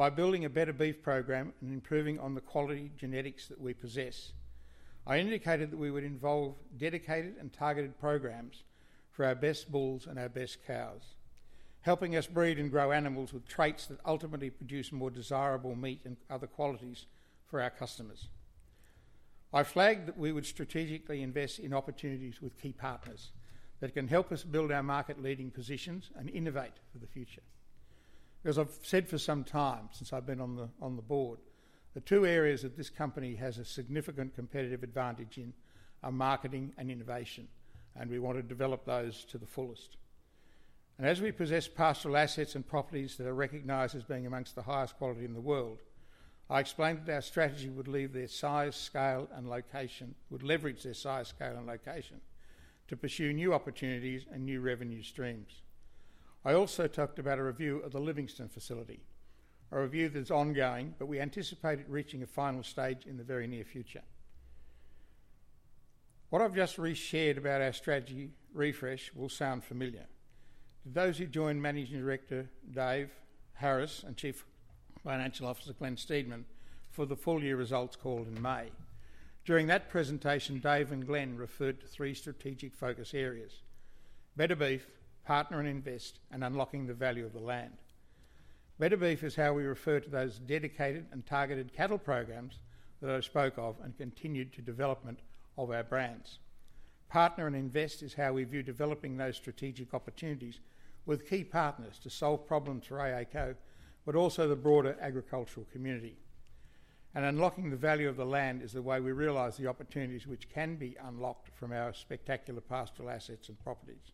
By building a better beef program and improving on the quality genetics that we possess, I indicated that we would involve dedicated and targeted programs for our best bulls and our best cows, helping us breed and grow animals with traits that ultimately produce more desirable meat and other qualities for our customers. I flagged that we would strategically invest in opportunities with key partners that can help us build our market-leading positions and innovate for the future. As I've said for some time since I've been on the board, the two areas that this company has a significant competitive advantage in are marketing and innovation, and we want to develop those to the fullest. As we possess pastoral assets and properties that are recognized as being amongst the highest quality in the world, I explained that our strategy would leverage their size, scale, and location to pursue new opportunities and new revenue streams. I also talked about a review of the Livingston Beef Facility, a review that's ongoing, but we anticipate it reaching a final stage in the very near future. What I've just re-shared about our strategy refresh will sound familiar to those who joined Managing Director Dave Harris and Chief Financial Officer Glen Steedman for the full-year results call in May. During that presentation, Dave and Glen referred to three strategic focus areas: better beef, partner and invest, and unlocking the value of the land. Better beef is how we refer to those dedicated and targeted cattle programs that I spoke of and continued to development of our brands. Partner and invest is how we view developing those strategic opportunities with key partners to solve problems for AACo, but also the broader agricultural community. Unlocking the value of the land is the way we realize the opportunities which can be unlocked from our spectacular pastoral assets and properties.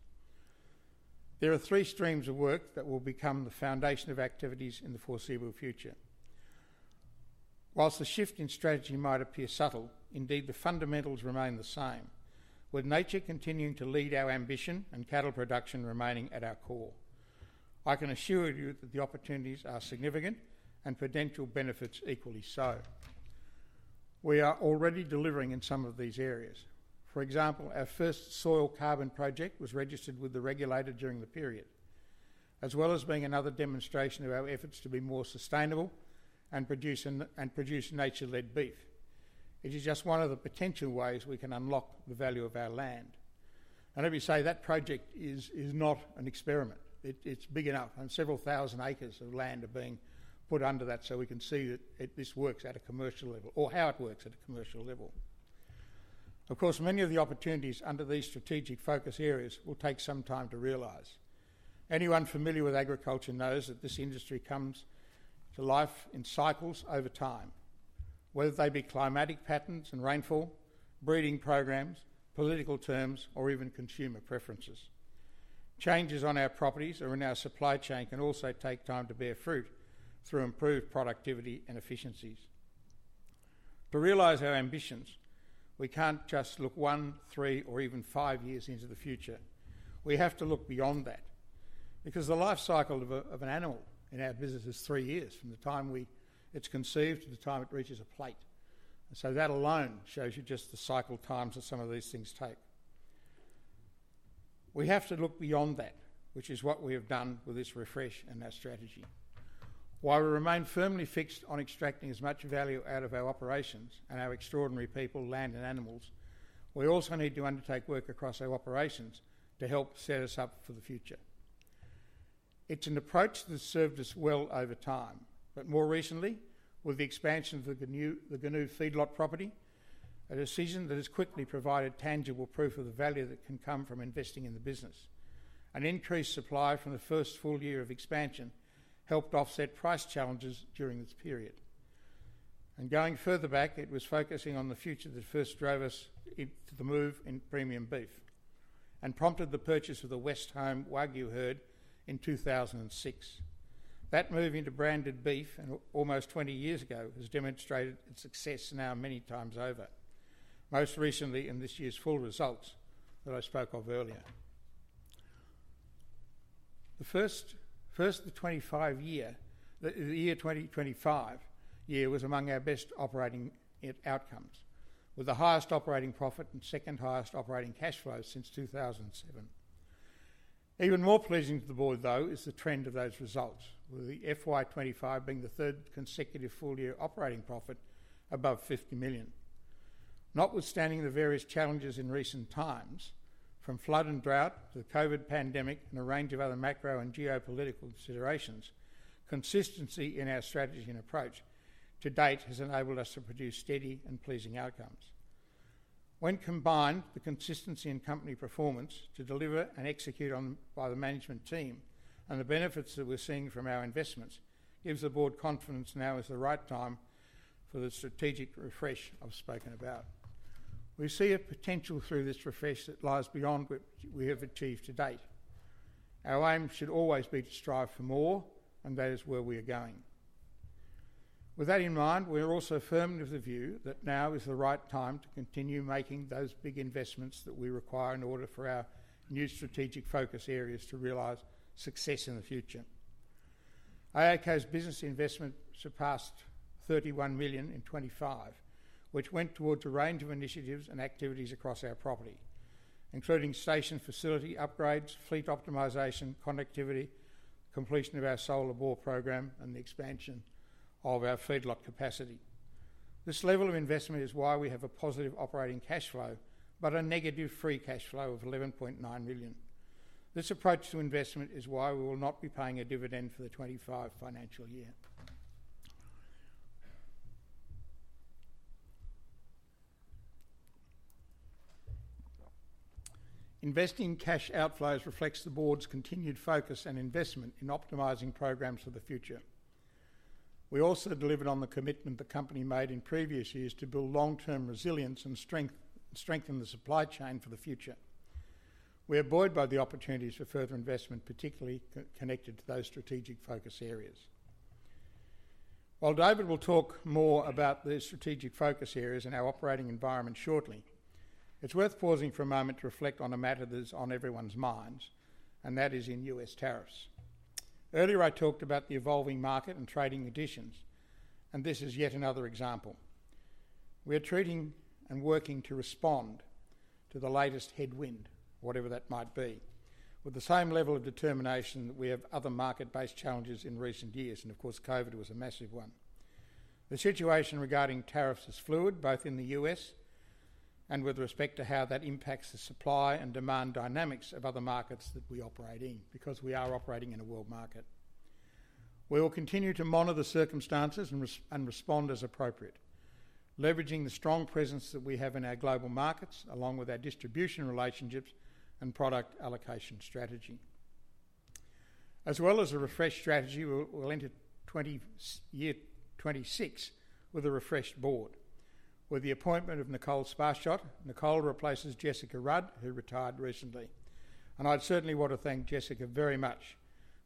There are three streams of work that will become the foundation of activities in the foreseeable future. Whilst the shift in strategy might appear subtle, indeed the fundamentals remain the same, with nature continuing to lead our ambition and cattle production remaining at our core. I can assure you that the opportunities are significant and potential benefits equally so. We are already delivering in some of these areas. For example, our first soil carbon project was registered with the regulator during the period, as well as being another demonstration of our efforts to be more sustainable and produce nature-led beef. It is just one of the potential ways we can unlock the value of our land. Let me say, that project is not an experiment. It's big enough, and several thousand acres of land are being put under that so we can see that this works at a commercial level or how it works at a commercial level. Of course, many of the opportunities under these strategic focus areas will take some time to realize. Anyone familiar with agriculture knows that this industry comes to life in cycles over time, whether they be climatic patterns and rainfall, breeding programs, political terms, or even consumer preferences. Changes on our properties or in our supply chain can also take time to bear fruit through improved productivity and efficiencies. To realize our ambitions, we can't just look one, three, or even five years into the future. We have to look beyond that because the life cycle of an animal in our business is three years from the time it's conceived to the time it reaches a plate. That alone shows you just the cycle times that some of these things take. We have to look beyond that, which is what we have done with this refresh and our strategy. While we remain firmly fixed on extracting as much value out of our operations and our extraordinary people, land, and animals, we also need to undertake work across our operations to help set us up for the future. It's an approach that's served us well over time, more recently with the expansion of the Gannu Feedlot property, a decision that has quickly provided tangible proof of the value that can come from investing in the business. An increased supply from the first full year of expansion helped offset price challenges during this period. Going further back, it was focusing on the future that first drove us to the move in premium beef and prompted the purchase of the Westholme Wagyu herd in 2006. That move into branded beef almost 20 years ago has demonstrated its success now many times over, most recently in this year's full results that I spoke of earlier. The 2025 year was among our best operating outcomes, with the highest operating profit and second highest operating cash flows since 2007. Even more pleasing to the board, though, is the trend of those results, with the FY 2025 being the third consecutive full-year operating profit above $50 million. Notwithstanding the various challenges in recent times, from flood and drought to the COVID pandemic and a range of other macro and geopolitical considerations, consistency in our strategy and approach to date has enabled us to produce steady and pleasing outcomes. When combined, the consistency in company performance to deliver and execute by the management team and the benefits that we're seeing from our investments give the board confidence now is the right time for the strategic refresh I've spoken about. We see a potential through this refresh that lies beyond what we have achieved to date. Our aim should always be to strive for more and that is where we are going. With that in mind, we are also firmly of the view that now is the right time to continue making those big investments that we require in order for our new strategic focus areas to realize success in the future. AACo's business investment surpassed $31 million in 2025, which went towards a range of initiatives and activities across our property, including station facility upgrades, fleet optimization, conductivity, completion of our solar bore program, and the expansion of our feedlot capacity. This level of investment is why we have a positive operating cash flow, but a negative free cash flow of $11.9 million. This approach to investment is why we will not be paying a dividend for the 2025 financial year. Investing cash outflows reflects the board's continued focus and investment in optimizing programs for the future. We also delivered on the commitment the company made in previous years to build long-term resilience and strengthen the supply chain for the future. We are buoyed by the opportunities for further investment, particularly connected to those strategic focus areas. While Dave will talk more about those strategic focus areas and our operating environment shortly, it's worth pausing for a moment to reflect on a matter that is on everyone's minds, and that is in US tariffs. Earlier, I talked about the evolving market and trading conditions, and this is yet another example. We are treating and working to respond to the latest headwind, whatever that might be, with the same level of determination that we have other market-based challenges in recent years, and of course, COVID was a massive one. The situation regarding tariffs is fluid, both in the U.S. and with respect to how that impacts the supply and demand dynamics of other markets that we operate in because we are operating in a world market. We will continue to monitor the circumstances and respond as appropriate, leveraging the strong presence that we have in our global markets, along with our distribution relationships and product allocation strategy. As well as a refresh strategy, we'll enter year 2026 with a refreshed board, with the appointment of Nicole Sparshot. Nicole replaces Jessica Rudd, who retired recently. I certainly want to thank Jessica very much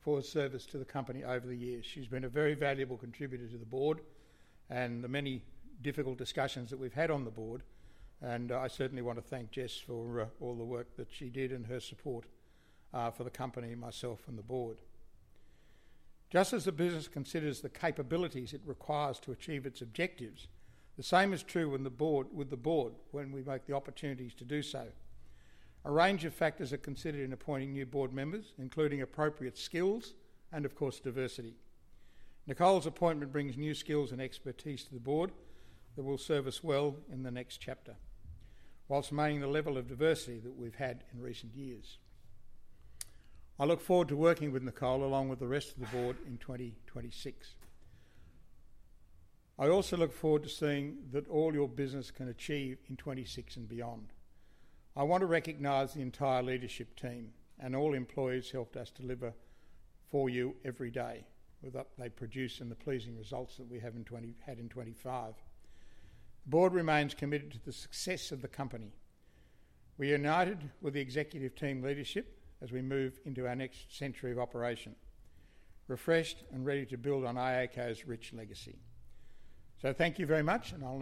for her service to the company over the years. She's been a very valuable contributor to the board and the many difficult discussions that we've had on the board. I certainly want to thank Jess for all the work that she did and her support for the company, myself, and the board. Just as a business considers the capabilities it requires to achieve its objectives, the same is true with the board when we make the opportunities to do so. A range of factors are considered in appointing new board members, including appropriate skills and, of course, diversity. Nicole's appointment brings new skills and expertise to the board that will serve us well in the next chapter, whilst maintaining the level of diversity that we've had in recent years. I look forward to working with Nicole, along with the rest of the board, in 2026. I also look forward to seeing that all your business can achieve in 2026 and beyond. I want to recognize the entire leadership team and all employees who helped us deliver for you every day with what they produce and the pleasing results that we had in 2025. The board remains committed to the success of the company. We are united with the executive team leadership as we move into our next century of operation, refreshed and ready to build on AACo's rich legacy. Thank you very much, and I'll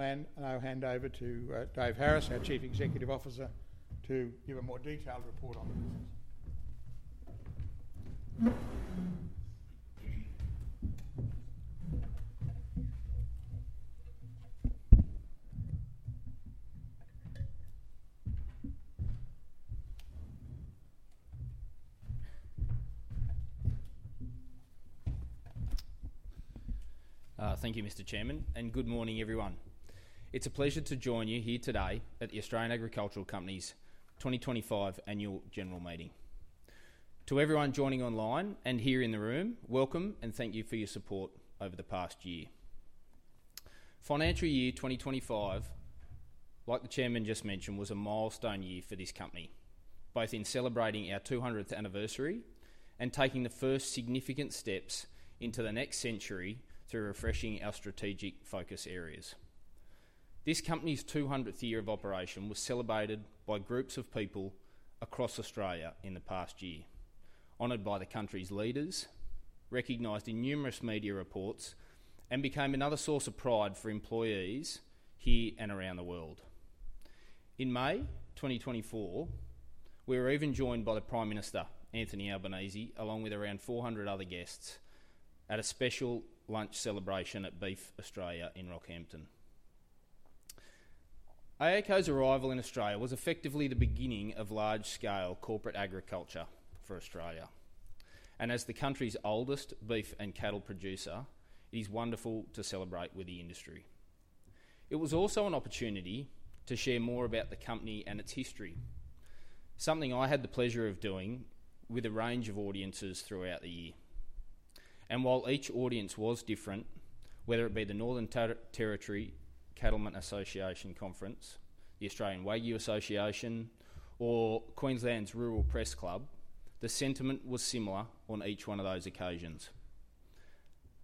hand over to Dave Harris, our Chief Executive Officer, to give a more detailed report on the business. Thank you, Mr. Chairman, and good morning, everyone. It's a pleasure to join you here today at the Australian Agricultural Company's 2025 Annual General Meeting. To everyone joining online and here in the room, welcome and thank you for your support over the past year. Financial year 2025, like the Chairman just mentioned, was a milestone year for this company, both in celebrating our 200th anniversary and taking the first significant steps into the next century through refreshing our strategic focus areas. This company's 200th year of operation was celebrated by groups of people across Australia in the past year, honored by the country's leaders, recognized in numerous media reports, and became another source of pride for employees here and around the world. In May 2024, we were even joined by the Prime Minister, Anthony Albanese, along with around 400 other guests at a special lunch celebration at Beef Australia in Rockhampton. AACo's arrival in Australia was effectively the beginning of large-scale corporate agriculture for Australia. As the country's oldest beef and cattle producer, it is wonderful to celebrate with the industry. It was also an opportunity to share more about the company and its history, something I had the pleasure of doing with a range of audiences throughout the year. While each audience was different, whether it be the Northern Territory Cattlemen Association Conference, the Australian Wagyu Association, or Queensland's Rural Press Club, the sentiment was similar on each one of those occasions.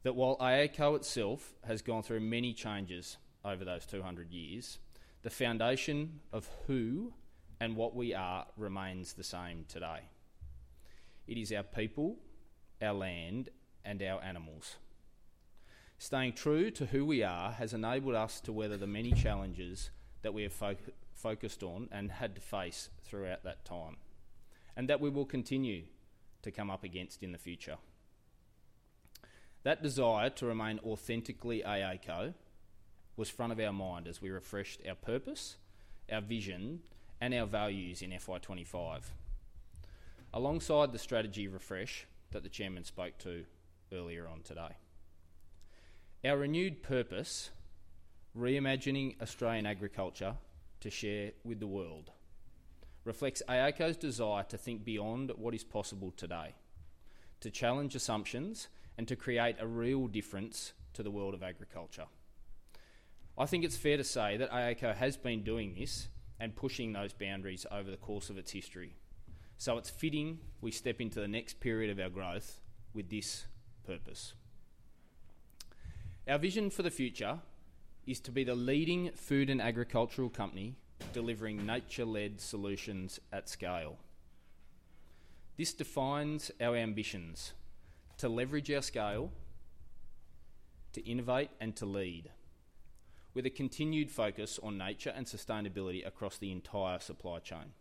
While AACo itself has gone through many changes over those 200 years, the foundation of who and what we are remains the same today. It is our people, our land, and our animals. Staying true to who we are has enabled us to weather the many challenges that we have focused on and had to face throughout that time, and that we will continue to come up against in the future. That desire to remain authentically AACo was front of our mind as we refreshed our purpose, our vision, and our values in FY 2025, alongside the strategy refresh that the Chairman spoke to earlier on today. Our renewed purpose, reimagining Australian agriculture to share with the world, reflects AACo's desire to think beyond what is possible today, to challenge assumptions, and to create a real difference to the world of agriculture. I think it's fair to say that AACo has been doing this and pushing those boundaries over the course of its history. It is fitting we step into the next period of our growth with this purpose. Our vision for the future is to be the leading food and agricultural company delivering nature-led solutions at scale. This defines our ambitions to leverage our scale, to innovate, and to lead, with a continued focus on nature and sustainability across the entire supply chain.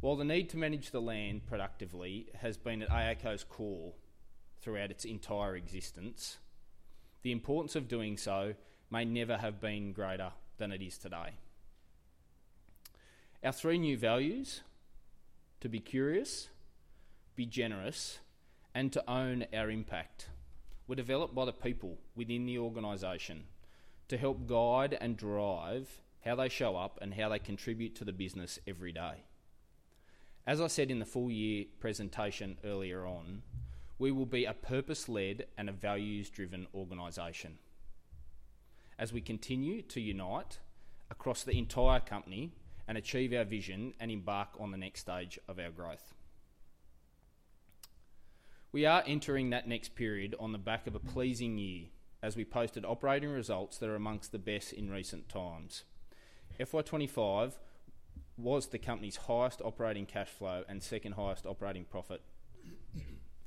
While the need to manage the land productively has been at AACo's core throughout its entire existence, the importance of doing so may never have been greater than it is today. Our three new values: to be curious, be generous, and to own our impact were developed by the people within the organization to help guide and drive how they show up and how they contribute to the business every day. As I said in the full-year presentation earlier on, we will be a purpose-led and a values-driven organization as we continue to unite across the entire company and achieve our vision and embark on the next stage of our growth. We are entering that next period on the back of a pleasing year as we posted operating results that are amongst the best in recent times. FY 2025 was the company's highest operating cash flow and second highest operating profit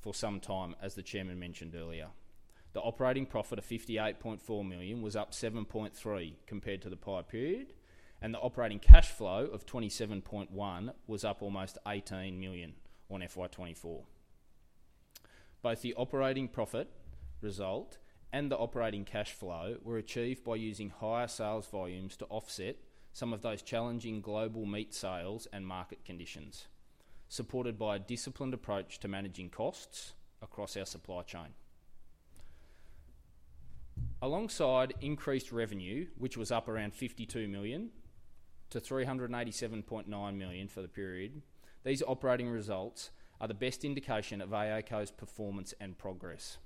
for some time, as the Chairman mentioned earlier. The operating profit of $58.4 million w as up 7.3% compared to the prior period, and the operating cash flow of $27.1 million was up almost $18 million on FY 2024. Both the operating profit result and the operating cash flow were achieved by using higher sales volumes to offset some of those challenging global meat sales and market conditions, supported by a disciplined approach to managing costs across our supply chain. Alongside increased revenue, which was up around $52 million-$387.9 million for the period, these operating results are the best indication of AACo's performance and progress.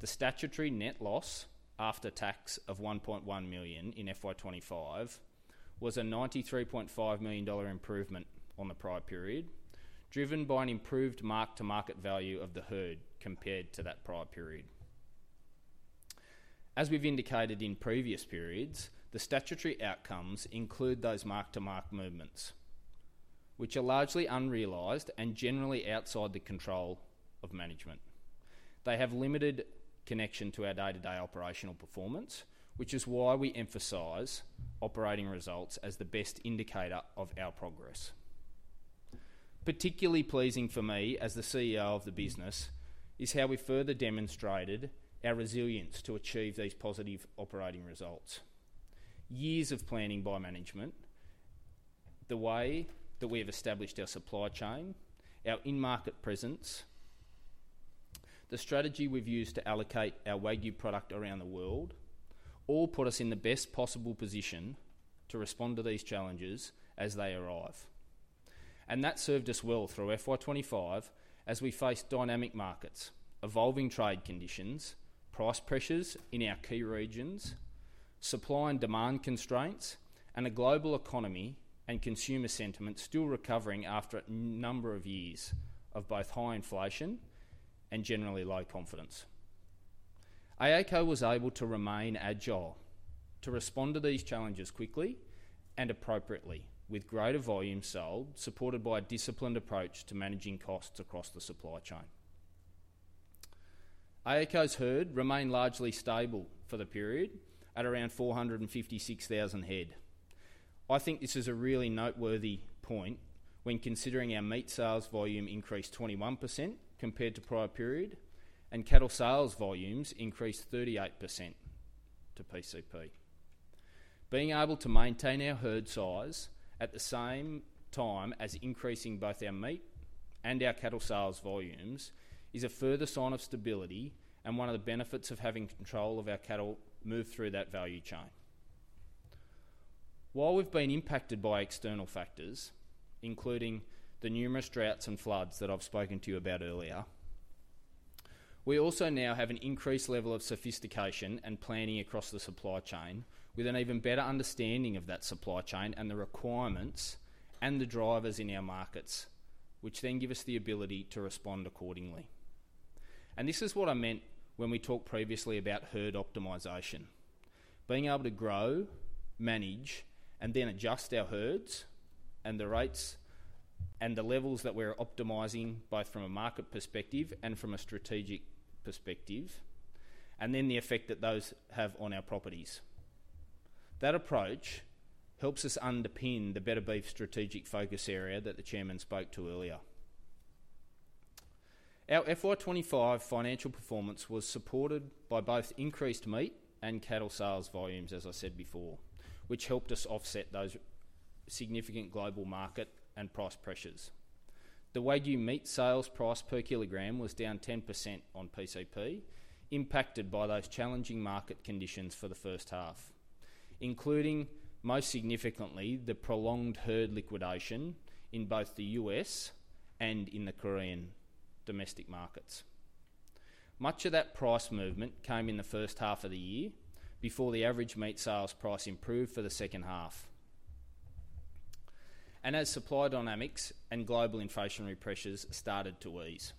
The statutory net loss after tax of $1.1 million in FY 2025 was a $93.5 million improvement on the prior period, driven by an improved mark-to-market value of the herd compared to that prior period. As we've indicated in previous periods, the statutory outcomes include those mark-to-market movements, which are largely unrealized and generally outside the control of management. They have limited connection to our day-to-day operational performance, which is why we emphasize operating results as the best indicator of our progress. Particularly pleasing for me as the CEO of the business is how we further demonstrated our resilience to achieve these positive operating results. Years of planning by management, the way that we have established our supply chain, our in-market presence, the strategy we've used to allocate our Wagyu product around the world, all put us in the best possible position to respond to these challenges as they arrive. That served us well through FY 2025 as we faced dynamic markets, evolving trade conditions, price pressures in our key regions, supply and demand constraints, and a global economy and consumer sentiment still recovering after a number of years of both high inflation and generally low confidence. AACo was able to remain agile to respond to these challenges quickly and appropriately with greater volume sold, supported by a disciplined approach to managing costs across the supply chain. AACo's herd remained largely stable for the period at around 456,000 head. I think this is a really noteworthy point when considering our meat sales volume increased 21% compared to prior period, and cattle sales volumes increased 38% to PCP. Being able to maintain our herd size at the same time as increasing both our meat and our cattle sales volumes is a further sign of stability and one of the benefits of having control of our cattle move through that value chain. While we've been impacted by external factors, including the numerous droughts and floods that I've spoken to you about earlier, we also now have an increased level of sophistication and planning across the supply chain with an even better understanding of that supply chain and the requirements and the drivers in our markets, which then give us the ability to respond accordingly. This is what I meant when we talked previously about herd optimization, being able to grow, manage, and then adjust our herds and the rates and the levels that we're optimizing both from a market perspective and from a strategic perspective, and then the effect that those have on our properties. That approach helps us underpin the better beef strategic focus area that the Chairman spoke to earlier. Our FY 2025 financial performance was supported by both increased meat and cattle sales volumes, as I said before, which helped us offset those significant global market and price pressures. The Wagyu beef sales price per kilogram was down 10% on PCP, impacted by those challenging market conditions for the first half, including most significantly the prolonged herd liquidation in both the U.S. and in the Korean domestic markets. Much of that price movement came in the first half of the year before the average beef sales price improved for the second half, as supply dynamics and global inflationary pressures started to ease.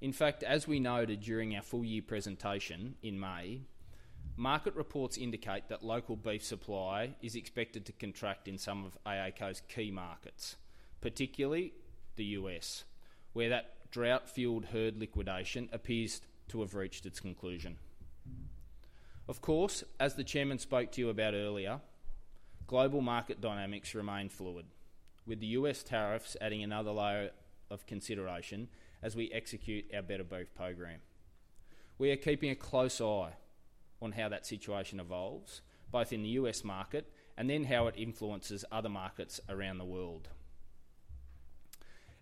In fact, as we noted during our full-year presentation in May, market reports indicate that local beef supply is expected to contract in some of AACo's key markets, particularly the U.S., where that drought-fueled herd liquidation appears to have reached its conclusion. Of course, as the Chairman spoke to you about earlier, global market dynamics remain fluid, with the US tariffs adding another layer of consideration as we execute our better beef program. We are keeping a close eye on how that situation evolves, both in the US market and then how it influences other markets around the world.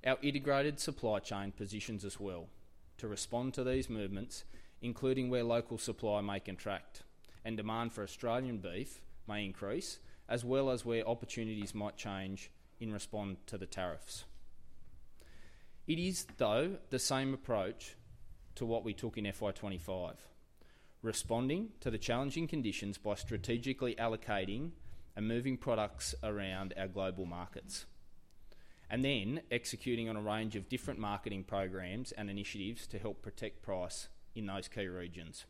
Our integrated supply chain positions us well to respond to these movements, including where local supply may contract and demand for Australian beef may increase, as well as where opportunities might change in response to the tariffs. It is, though, the same approach to what we took in FY 2025, responding to the challenging conditions by strategically allocating and moving products around our global markets, and then executing on a range of different marketing programs and initiatives to help protect price in those key regions.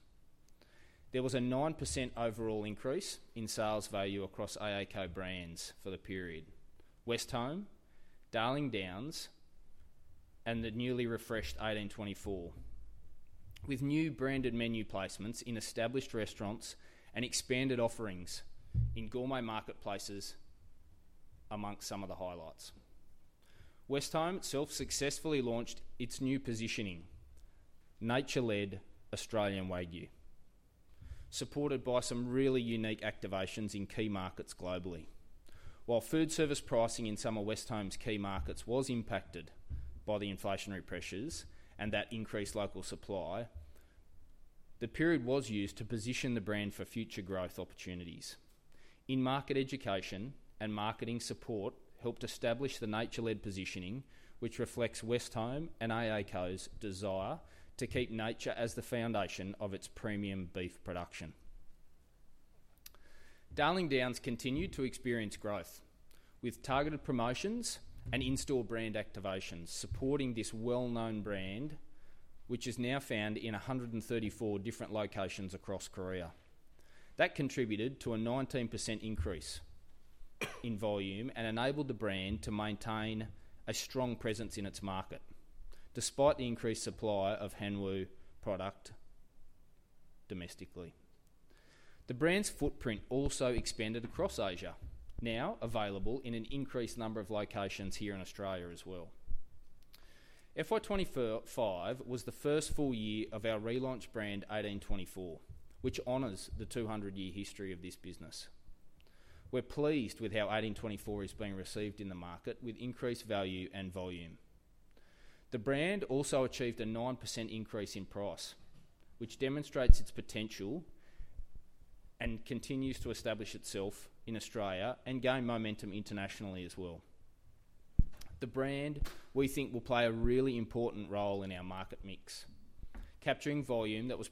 There was a 9% overall increase in sales value across AACo brands for the period: Westholme, Darling Downs, and the newly refreshed ADEN24, with new branded menu placements in established restaurants and expanded offerings in gourmet marketplaces, amongst some of the highlights. Westholme successfully launched its new positioning, nature-led Australian Wagyu, supported by some really unique activations in key markets globally. While food service pricing in some of Westholme's key markets was impacted by the inflationary pressures and that increased local supply, the period was used to position the brand for future growth opportunities. In-market education and marketing support helped establish the nature-led positioning, which reflects Westholme and AACo's desire to keep nature as the foundation of its premium beef production. Darling Downs continued to experience growth, with targeted promotions and in-store brand activations supporting this well-known brand, which is now found in 134 different locations across Korea. That contributed to a 19% increase in volume and enabled the brand to maintain a strong presence in its market, despite the increased supply of Hanwoo product domestically. The brand's footprint also expanded across Asia, now available in an increased number of locations here in Australia as well. FY 2025 was the first full year of our relaunched brand ADEN24, which honors the 200-year history of this business. We're pleased with how ADEN24 is being received in the market with increased value and volume. The brand also achieved a 9% increase in price, which demonstrates its potential and continues to establish itself in Australia and gain momentum internationally as well. The brand we think will play a really important role in our market mix, capturing volume that was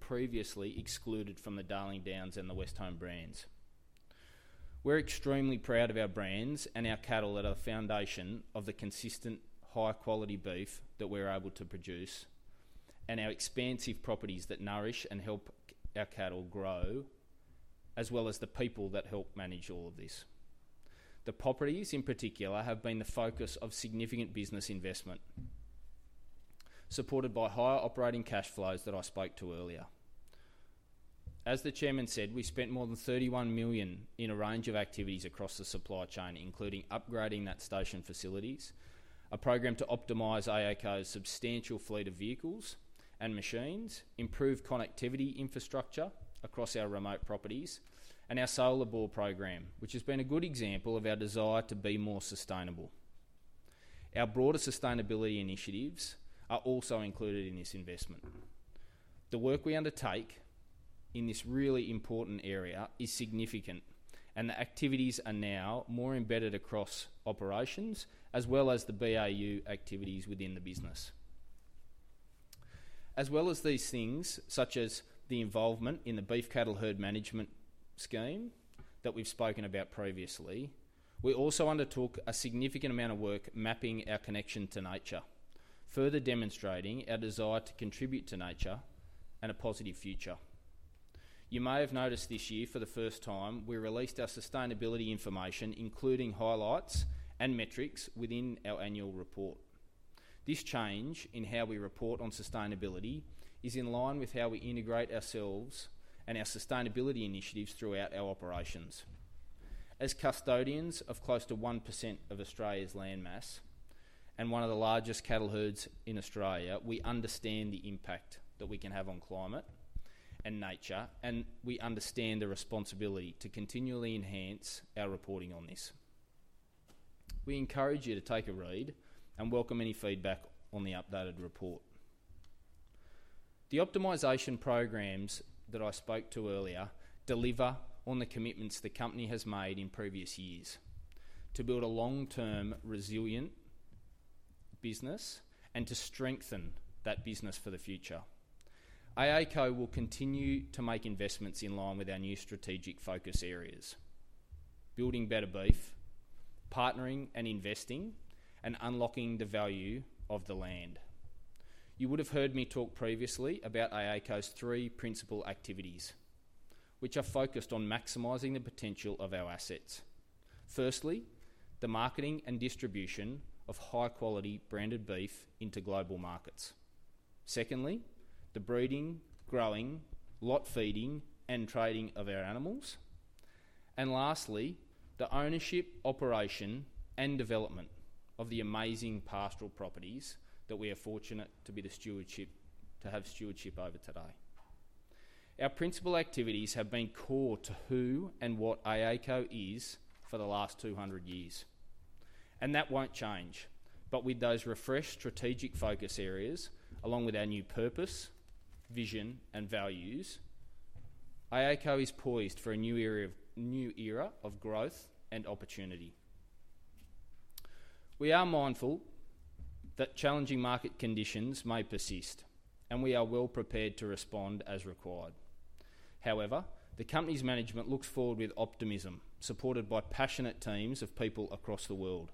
previously excluded from the Darling Downs and the Westholme brands. We're extremely proud of our brands and our cattle at the foundation of the consistent, high-quality beef that we're able to produce and our expansive properties that nourish and help our cattle grow, as well as the people that help manage all of this. The properties in particular have been the focus of significant business investment, supported by higher operating cash flows that I spoke to earlier. As the Chairman said, we spent more than $31 million in a range of activities across the supply chain, including upgrading station facilities, a program to optimize AACo's substantial fleet of vehicles and machines, improved connectivity infrastructure across our remote properties, and our solar bore program, which has been a good example of our desire to be more sustainable. Our broader sustainability initiatives are also included in this investment. The work we undertake in this really important area is significant, and the activities are now more embedded across operations, as well as the BAU activities within the business. As well as these things, such as the involvement in the beef cattle herd management scheme that we've spoken about previously, we also undertook a significant amount of work mapping our connection to nature, further demonstrating our desire to contribute to nature and a positive future. You may have noticed this year, for the first time, we released our sustainability information, including highlights and metrics within our annual report. This change in how we report on sustainability is in line with how we integrate ourselves and our sustainability initiatives throughout our operations. As custodians of close to 1% of Australia's land mass and one of the largest cattle herds in Australia, we understand the impact that we can have on climate and nature, and we understand the responsibility to continually enhance our reporting on this. We encourage you to take a read and welcome any feedback on the updated report. The optimization programs that I spoke to earlier deliver on the commitments the company has made in previous years to build a long-term resilient business and to strengthen that business for the future. AACo will continue to make investments in line with our new strategic focus areas: building better beef, partnering and investing, and unlocking the value of the land. You would have heard me talk previously about AACo's three principal activities, which are focused on maximizing the potential of our assets. Firstly, the marketing and distribution of high-quality branded beef into global markets. Secondly, the breeding, growing, lot feeding, and trading of our animals. Lastly, the ownership, operation, and development of the amazing pastoral properties that we are fortunate to have stewardship over today. Our principal activities have been core to who and what AACo is for the last 200 years, and that won't change. With those refreshed strategic focus areas, along with our new purpose, vision, and values, AACo is poised for a new era of growth and opportunity. We are mindful that challenging market conditions may persist, and we are well prepared to respond as required. However, the company's management looks forward with optimism, supported by passionate teams of people across the world.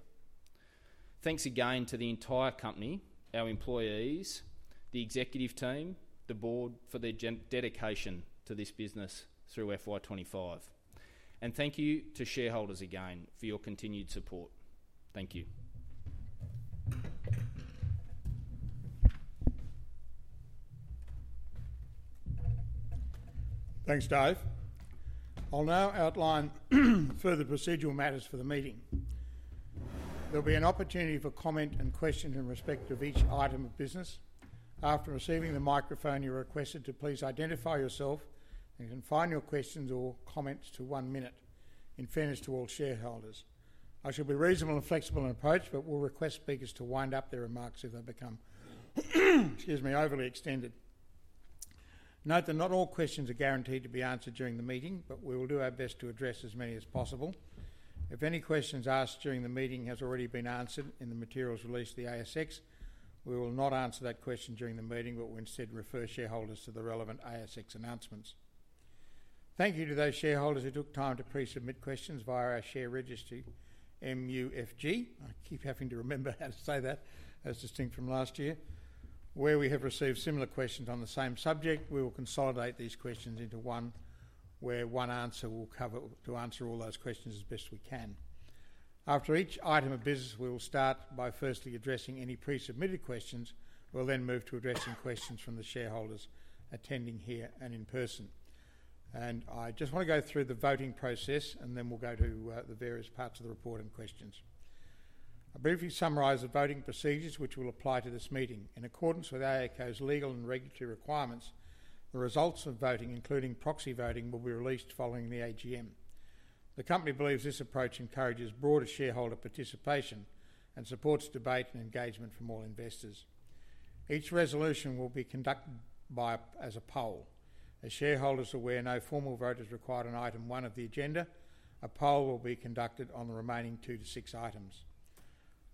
Thanks again to the entire company, our employees, the executive team, the board for their dedication to this business through FY 2025. Thank you to shareholders again for your continued support. Thank you. Thanks, Dave. I'll now outline further procedural matters for the meeting. There'll be an opportunity for comment and question in respect of each item of business. After receiving the microphone, you're requested to please identify yourself and confine your questions or comments to one minute, in fairness to all shareholders. I shall be reasonable and flexible in approach, but will request speakers to wind up their remarks if they become, excuse me, overly extended. Note that not all questions are guaranteed to be answered during the meeting, but we will do our best to address as many as possible. If any questions asked during the meeting have already been answered in the materials released to the ASX, we will not answer that question during the meeting, but will instead refer shareholders to the relevant ASX announcements. Thank you to those shareholders who took time to pre-submit questions via our share registry, MUFG. I keep having to remember how to say that as distinct from last year. Where we have received similar questions on the same subject, we will consolidate these questions into one where one answer will cover to answer all those questions as best we can. After each item of business, we will start by firstly addressing any pre-submitted questions. We'll then move to addressing questions from the shareholders attending here and in person. I just want to go through the voting process, and then we'll go to the various parts of the report and questions. I briefly summarize the voting procedures, which will apply to this meeting. In accordance with AACo's legal and regulatory requirements, the results of voting, including proxy voting, will be released following the AGM. The company believes this approach encourages broader shareholder participation and supports debate and engagement from all investors. Each resolution will be conducted as a poll. As shareholders are aware, no formal vote is required on item one of the agenda. A poll will be conducted on the remaining two to six items.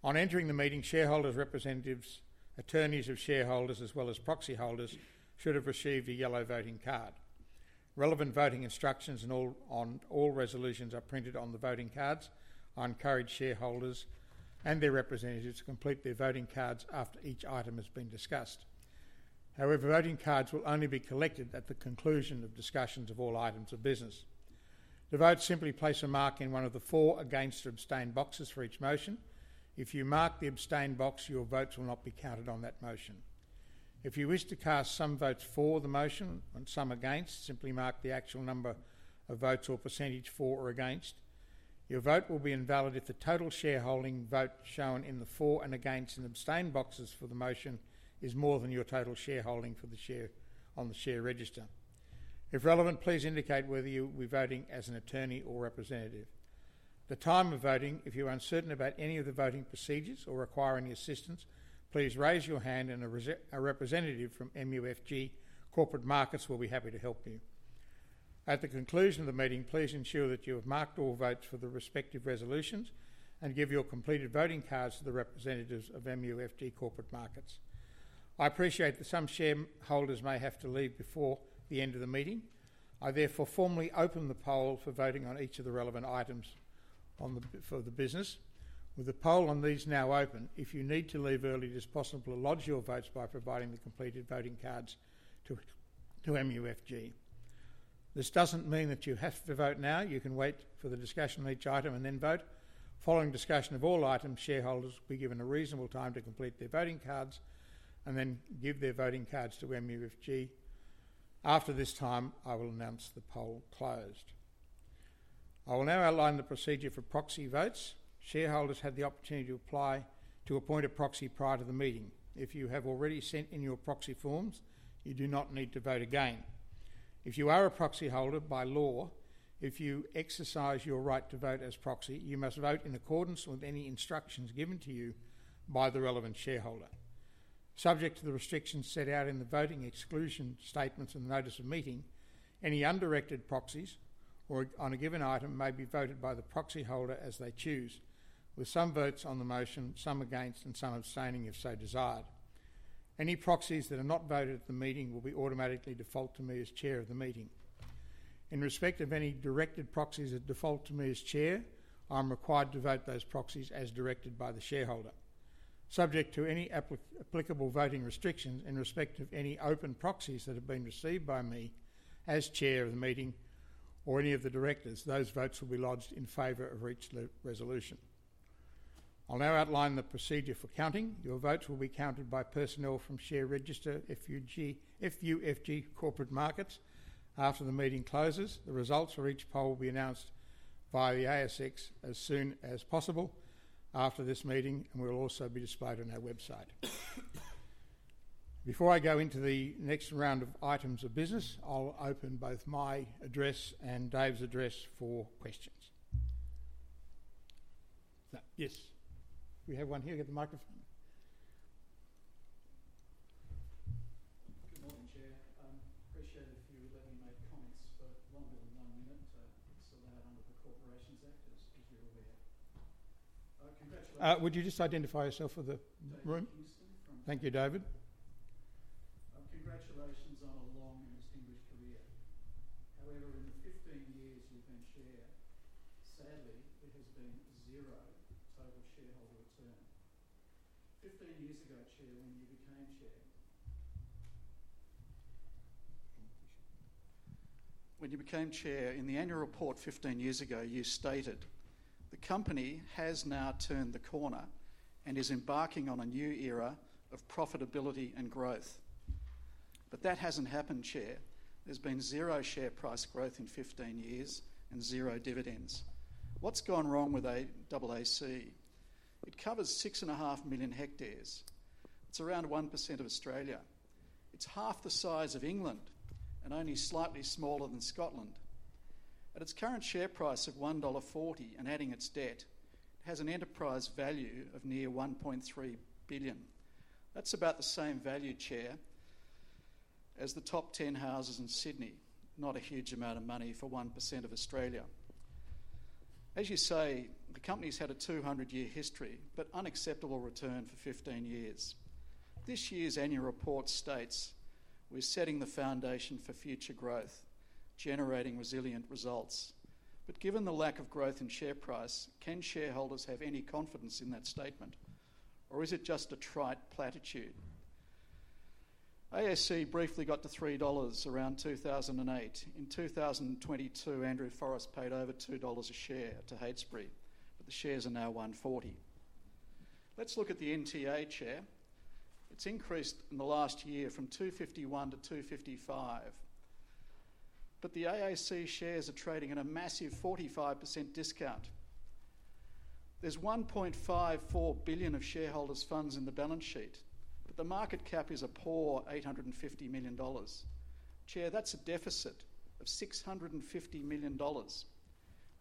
On entering the meeting, shareholder representatives, attorneys of shareholders, as well as proxy holders, should have received a yellow voting card. Relevant voting instructions on all resolutions are printed on the voting cards. I encourage shareholders and their representatives to complete their voting cards after each item has been discussed. However, voting cards will only be collected at the conclusion of discussions of all items of business. The votes simply place a mark in one of the four against or abstain boxes for each motion. If you mark the abstain box, your votes will not be counted on that motion. If you wish to cast some votes for the motion and some against, simply mark the actual number of votes or percentage for or against. Your vote will be invalid if the total shareholding vote shown in the for and against and abstain boxes for the motion is more than your total shareholding for the share on the share register. If relevant, please indicate whether you'll be voting as an attorney or representative. At the time of voting, if you're uncertain about any of the voting procedures or require any assistance, please raise your hand and a representative from MUFG Corporate Markets will be happy to help you. At the conclusion of the meeting, please ensure that you have marked all votes for the respective resolutions and give your completed voting cards to the representatives of MUFG Corporate Markets. I appreciate that some shareholders may have to leave before the end of the meeting. I therefore formally open the poll for voting on each of the relevant items for the business. With the poll on these now open, if you need to leave early as possible, lodge your votes by providing the completed voting cards to MUFG. This doesn't mean that you have to vote now. You can wait for the discussion on each item and then vote. Following discussion of all items, shareholders will be given a reasonable time to complete their voting cards and then give their voting cards to MUFG. After this time, I will announce the poll closed. I will now outline the procedure for proxy votes. Shareholders had the opportunity to apply to appoint a proxy prior to the meeting. If you have already sent in your proxy forms, you do not need to vote again. If you are a proxy holder by law, if you exercise your right to vote as proxy, you must vote in accordance with any instructions given to you by the relevant shareholder. Subject to the restrictions set out in the voting exclusion statements and notice of meeting, any undirected proxies on a given item may be voted by the proxy holder as they choose, with some votes on the motion, some against, and some abstaining if so desired. Any proxies that are not voted at the meeting will be automatically default to me as Chair of the meeting. In respect of any directed proxies that default to me as Chair, I'm required to vote those proxies as directed by the shareholder. Subject to any applicable voting restrictions in respect of any open proxies that have been received by me as Chair of the meeting or any of the directors, those votes will be lodged in favor of each resolution. I'll now outline the procedure for counting. Your votes will be counted by personnel from Share Register, FUFG, and Corporate Markets. After the meeting closes, the results for each poll will be announced via the ASX as soon as possible after this meeting, and will also be displayed on our website. Before I go into the next round of items of business, I'll open both my address and Dave's address for questions. Yes, we have one here. We have the microphone. Good morning, Chair. I appreciate a few lady-made comments, but one being done here. It's allowed under the Corporations Act, just because we're aware. Would you just identify yourself for the room? Thank you, Dave. Congratulations on a long and distinguished career. However, in the 15 years you've been Chair, sadly, there has been zero sole shareholder return. Fifteen years ago, Chair, when you became Chair, in the annual report 15 years ago, you stated, "The company has now turned the corner and is embarking on a new era of profitability and growth." That hasn't happened, Chair. There's been zero share price growth in 15 years and zero dividends. What's gone wrong with AACo? It covers six and a half million hectares. It's around 1% of Australia. It's half the size of England and only slightly smaller than Scotland. At its current share price of $1.40 and adding its debt, it has an enterprise value of near $1.3 billion. That's about the same value, Chair, as the top 10 houses in Sydney, not a huge amount of money for 1% of Australia. As you say, the company's had a 200-year history, but unacceptable return for 15 years. This year's annual report states, "We're setting the foundation for future growth, generating resilient results." Given the lack of growth in share price, can shareholders have any confidence in that statement, or is it just a trite platitude? AACo briefly got to $3 around 2008. In 2022, Andrew Forrest paid over $2 a share to Hadesbury, but the shares are now $1.40. Let's look at the NTA, Chair. It's increased in the last year from $2.51-$2.55. The AACo shares are trading at a massive 45% discount. There's $1.54 billion of shareholders' funds in the balance sheet, but the market cap is a poor $850 million. Chair, that's a deficit of $650 million.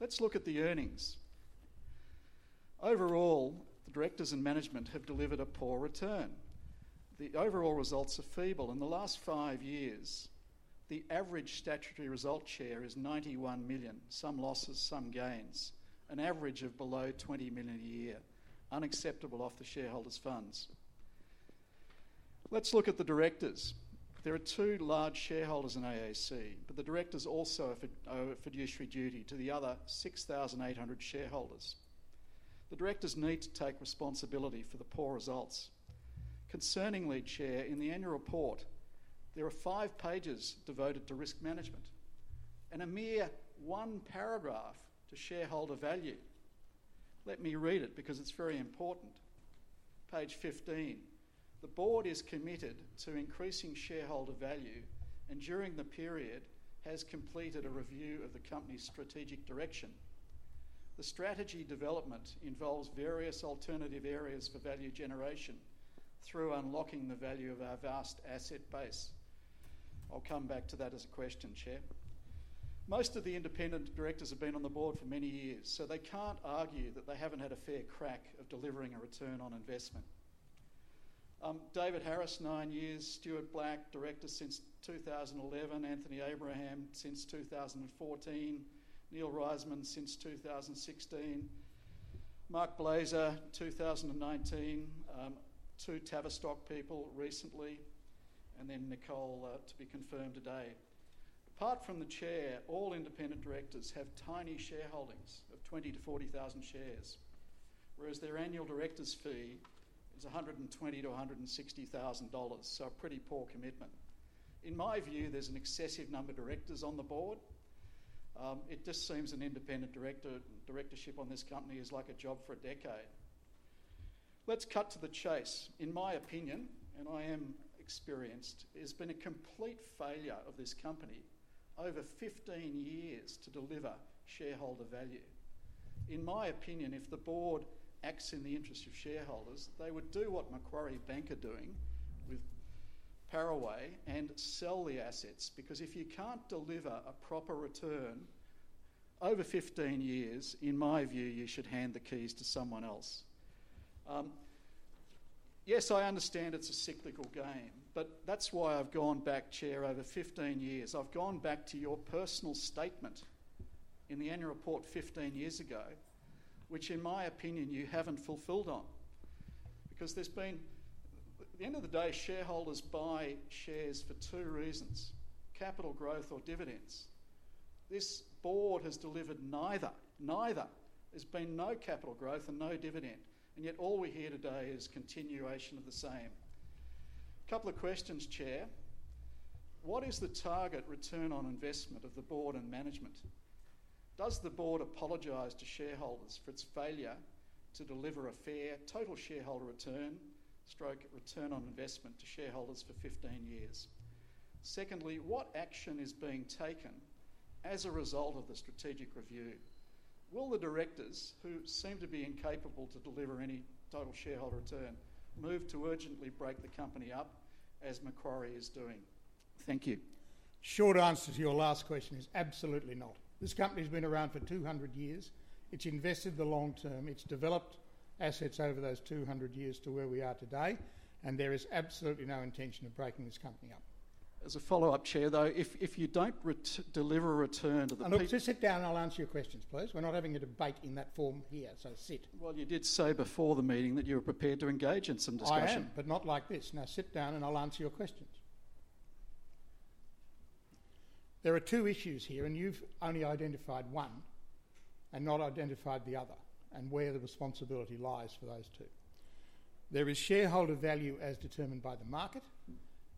Let's look at the earnings. Overall, the directors and management have delivered a poor return. The overall results are feeble. In the last five years, the average statutory result share is $91 million, some losses, some gains, an average of below $20 million a year, unacceptable off the shareholders' funds. Let's look at the directors. There are two large shareholders in AACo, but the directors also have a fiduciary duty to the other 6,800 shareholders. The directors need to take responsibility for the poor results. Concerningly, Chair, in the annual report, there are five pages devoted to risk management and a mere one paragraph to shareholder value. Let me read it because it's very important. Page 15. The board is committed to increasing shareholder value and during the period has completed a review of the company's strategic direction. The strategy development involves various alternative areas for value generation through unlocking the value of our vast asset base. I'll come back to that as a question, Chair. Most of the independent directors have been on the board for many years, so they can't argue that they haven't had a fair crack of delivering a return on investment. Dave Harris, nine years. Stuart Black, director since 2011. Anthony Abraham, since 2014. Neil Reisman, since 2016. Mark Blazer, 2019. Two Tavistock people recently, and then Nicole to be confirmed today. Apart from the Chair, all independent directors have tiny shareholdings of 20,000 to 40,000 shares, whereas their annual director's fee is $120,000-$160,000, so a pretty poor commitment. In my view, there's an excessive number of directors on the board. It just seems an independent directorship on this company is like a job for a decade. Let's cut to the chase. In my opinion, and I am experienced, there's been a complete failure of this company over 15 years to deliver shareholder value. In my opinion, if the board acts in the interest of shareholders, they would do what Macquarie Bank are doing with Paraway and sell the assets, because if you can't deliver a proper return over 15 years, in my view, you should hand the keys to someone else. Yes, I understand it's a cyclical game, but that's why I've gone back, Chair, over 15 years. I've gone back to your personal statement in the annual report 15 years ago, which in my opinion, you haven't fulfilled on, because there's been, at the end of the day, shareholders buy shares for two reasons: capital growth or dividends. This board has delivered neither. Neither! There's been no capital growth and no dividend, and yet all we hear today is continuation of the same. A couple of questions, Chair. What is the target return on investment of the board and management? Does the board apologize to shareholders for its failure to deliver a fair total shareholder return/return on investment to shareholders for 15 years? Secondly, what action is being taken as a result of the strategic review? Will the directors, who seem to be incapable to deliver any total shareholder return, move to urgently break the company up as Macquarie is doing? Thank you. Short answer to your last question is absolutely not. This company's been around for 200 years. It's invested the long term. It's developed assets over those 200 years to where we are today, and there is absolutely no intention of breaking this company up. As a follow-up, Chair, though, if you don't deliver a return to the people. No, just sit down and I'll answer your questions, please. We're not having a debate in that form here, so sit. You did say before the meeting that you were prepared to engage in some discussion. I am, but not like this. Now sit down, and I'll answer your questions. There are two issues here, and you've only identified one and not identified the other and where the responsibility lies for those two. There is shareholder value as determined by the market,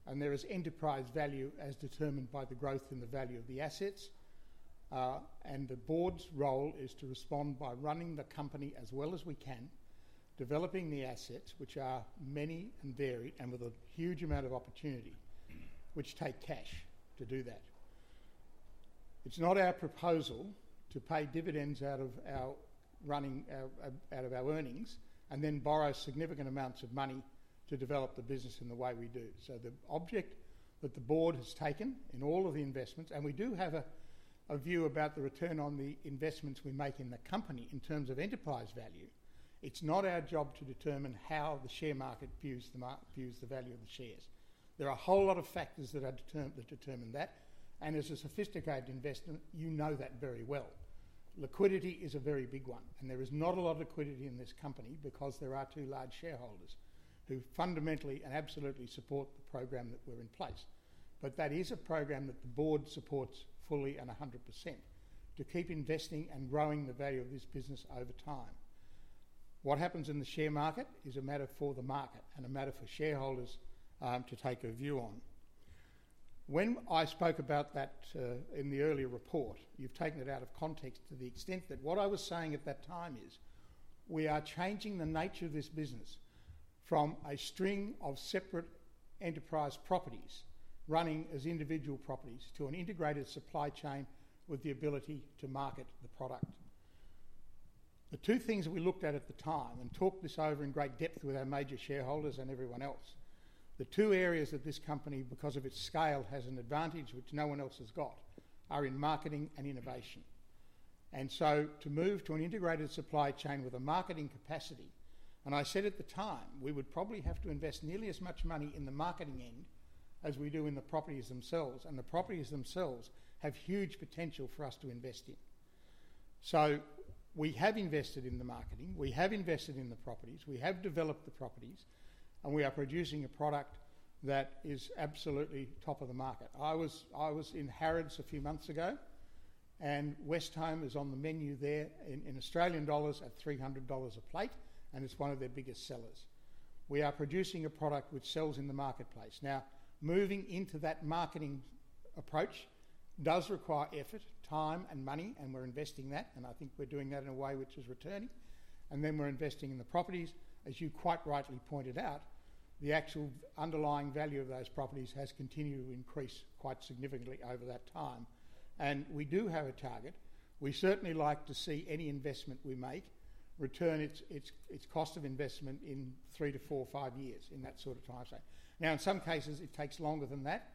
and there is enterprise value as determined by the growth and the value of the assets. The board's role is to respond by running the company as well as we can, developing the assets, which are many and varied and with a huge amount of opportunity, which take cash to do that. It's not our proposal to pay dividends out of our earnings and then borrow significant amounts of money to develop the business in the way we do. The object that the board has taken in all of the investments, and we do have a view about the return on the investments we make in the company in terms of enterprise value, it's not our job to determine how the share market views the value of the shares. There are a whole lot of factors that determine that, and as a sophisticated investor, you know that very well. Liquidity is a very big one, and there is not a lot of liquidity in this company because there are two large shareholders who fundamentally and absolutely support the program that we're in place. That is a program that the board supports fully and 100% to keep investing and growing the value of this business over time. What happens in the share market is a matter for the market and a matter for shareholders to take a view on. When I spoke about that in the earlier report, you've taken it out of context to the extent that what I was saying at that time is we are changing the nature of this business from a string of separate enterprise properties running as individual properties to an integrated supply chain with the ability to market the product. The two things we looked at at the time and talked this over in great depth with our major shareholders and everyone else, the two areas that this company, because of its scale, has an advantage which no one else has got, are in marketing and innovation. To move to an integrated supply chain with a marketing capacity, and I said at the time we would probably have to invest nearly as much money in the marketing end as we do in the properties themselves, and the properties themselves have huge potential for us to invest in. We have invested in the marketing, we have invested in the properties, we have developed the properties, and we are producing a product that is absolutely top of the market. I was in Harrods a few months ago, and Westholme is on the menu there in Australian dollars at $300 a plate, and it's one of their biggest sellers. We are producing a product which sells in the marketplace. Now, moving into that marketing approach does require effort, time, and money, and we're investing that, and I think we're doing that in a way which is returning. We're investing in the properties. As you quite rightly pointed out, the actual underlying value of those properties has continued to increase quite significantly over that time. We do have a target. We certainly like to see any investment we make return its cost of investment in three to four or five years in that sort of timeframe. In some cases, it takes longer than that,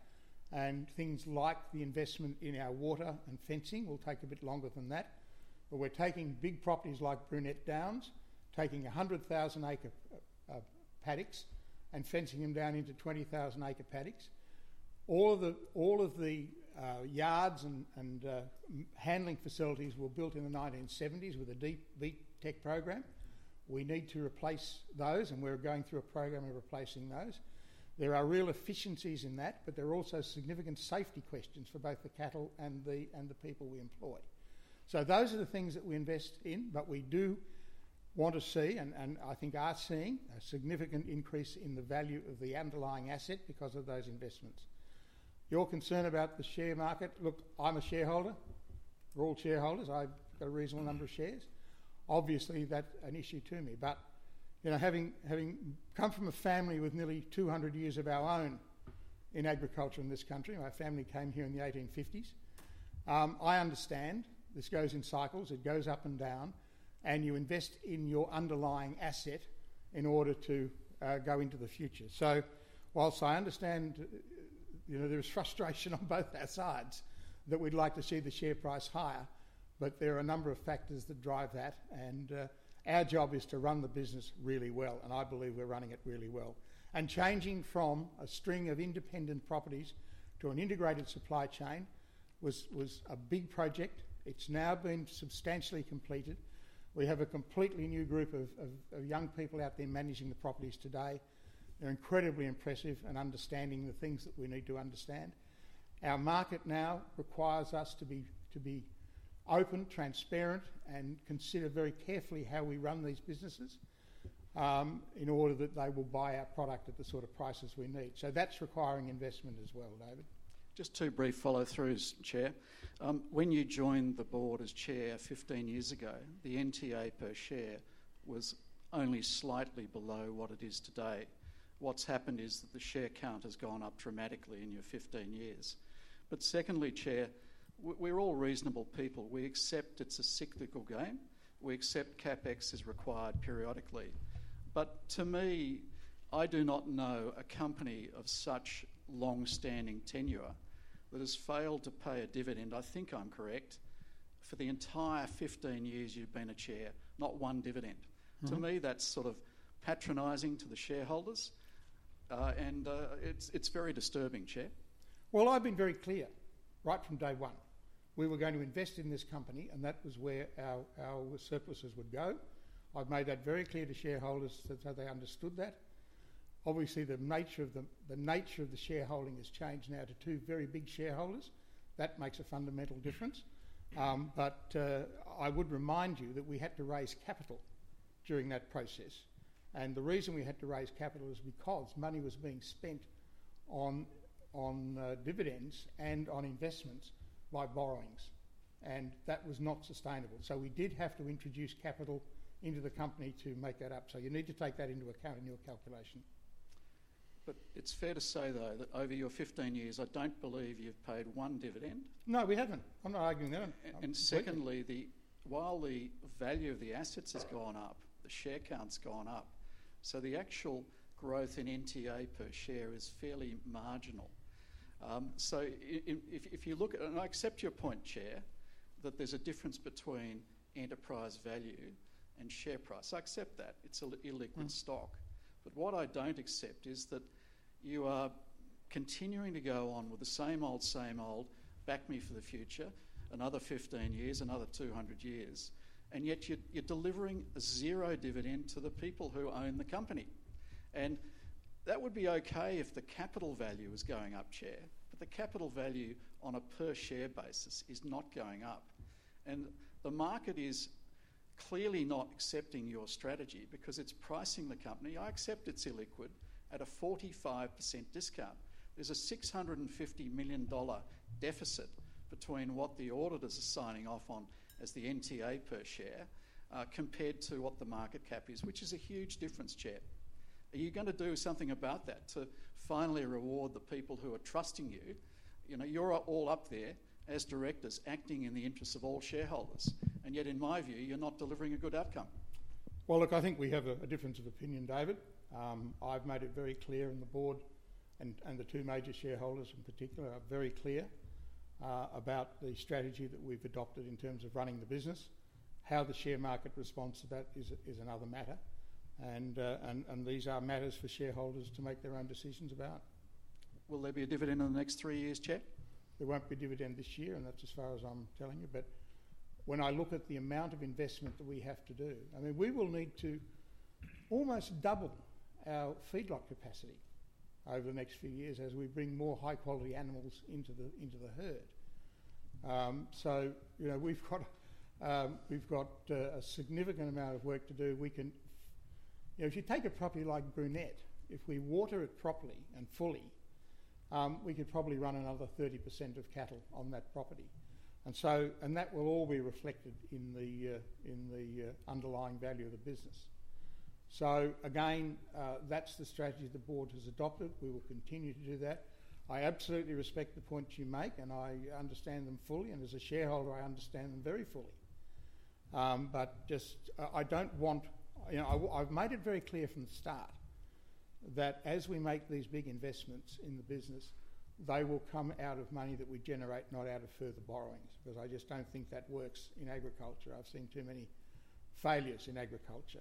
and things like the investment in our water and fencing will take a bit longer than that. We're taking big properties like Brunette Downs, taking 100,000 acre paddocks and fencing them down into 20,000 acre paddocks. All of the yards and handling facilities were built in the 1970s with a deep, deep tech program. We need to replace those, and we're going through a program of replacing those. There are real efficiencies in that, but there are also significant safety questions for both the cattle and the people we employ. Those are the things that we invest in, but we do want to see, and I think are seeing, a significant increase in the value of the underlying asset because of those investments. Your concern about the share market, look, I'm a shareholder. We're all shareholders. I've got a reasonable number of shares. Obviously, that's an issue to me. You know, having come from a family with nearly 200 years of our own in agriculture in this country, my family came here in the 1850s. I understand this goes in cycles. It goes up and down, and you invest in your underlying asset in order to go into the future. Whilst I understand there is frustration on both our sides that we'd like to see the share price higher, there are a number of factors that drive that, and our job is to run the business really well, and I believe we're running it really well. Changing from a string of independent properties to an integrated supply chain was a big project. It's now been substantially completed. We have a completely new group of young people out there managing the properties today. They're incredibly impressive and understanding the things that we need to understand. Our market now requires us to be open, transparent, and consider very carefully how we run these businesses in order that they will buy our product at the sort of prices we need. That's requiring investment as well, David. Just two brief follow-throughs, Chair. When you joined the board as Chair 15 years ago, the NTA per share was only slightly below what it is today. What's happened is that the share count has gone up dramatically in your 15 years. Secondly, Chair, we're all reasonable people. We accept it's a cyclical game. We accept CapEx is required periodically. To me, I do not know a company of such longstanding tenure that has failed to pay a dividend, I think I'm correct, for the entire 15 years you've been Chair, not one dividend. To me, that's sort of patronizing to the shareholders, and it's very disturbing, Chair. I have been very clear right from day one. We were going to invest in this company, and that was where our resources would go. I have made that very clear to shareholders so they understood that. Obviously, the nature of the shareholding has changed now to two very big shareholders. That makes a fundamental difference. I would remind you that we had to raise capital during that process. The reason we had to raise capital is because money was being spent on dividends and on investments by borrowings, and that was not sustainable. We did have to introduce capital into the company to make that up. You need to take that into account in your calculation. It is fair to say, though, that over your 15 years, I don't believe you've paid one dividend. No, we haven't. I'm not arguing that. Secondly, while the value of the assets has gone up, the share count's gone up. The actual growth in NTA per share is fairly marginal. If you look at it, and I accept your point, Chair, that there's a difference between enterprise value and share price. I accept that. It's an illiquid stock. What I don't accept is that you are continuing to go on with the same old, same old, back me for the future, another 15 years, another 200 years, and yet you're delivering a zero dividend to the people who own the company. That would be okay if the capital value was going up, Chair, but the capital value on a per-share basis is not going up. The market is clearly not accepting your strategy because it's pricing the company, I accept it's illiquid, at a 45% discount. There's a $650 million deficit between what the auditors are signing off on as the NTA per share compared to what the market cap is, which is a huge difference, Chair. Are you going to do something about that to finally reward the people who are trusting you? You're all up there as directors acting in the interests of all shareholders, and yet in my view, you're not delivering a good outcome. I think we have a difference of opinion, David. I've made it very clear in the board, and the two major shareholders in particular are very clear about the strategy that we've adopted in terms of running the business. How the share market responds to that is another matter, and these are matters for shareholders to make their own decisions about. Will there be a dividend in the next three years, Chair? There won't be a dividend this year, and that's as far as I'm telling you. When I look at the amount of investment that we have to do, we will need to almost double our feedlot capacity over the next few years as we bring more high-quality animals into the herd. We've got a significant amount of work to do. If you take a property like Brunette, if we water it properly and fully, we could probably run another 30% of cattle on that property. That will all be reflected in the underlying value of the business. That's the strategy the board has adopted. We will continue to do that. I absolutely respect the points you make, and I understand them fully, and as a shareholder, I understand them very fully. I don't want, I've made it very clear from the start that as we make these big investments in the business, they will come out of money that we generate, not out of further borrowings, because I just don't think that works in agriculture. I've seen too many failures in agriculture.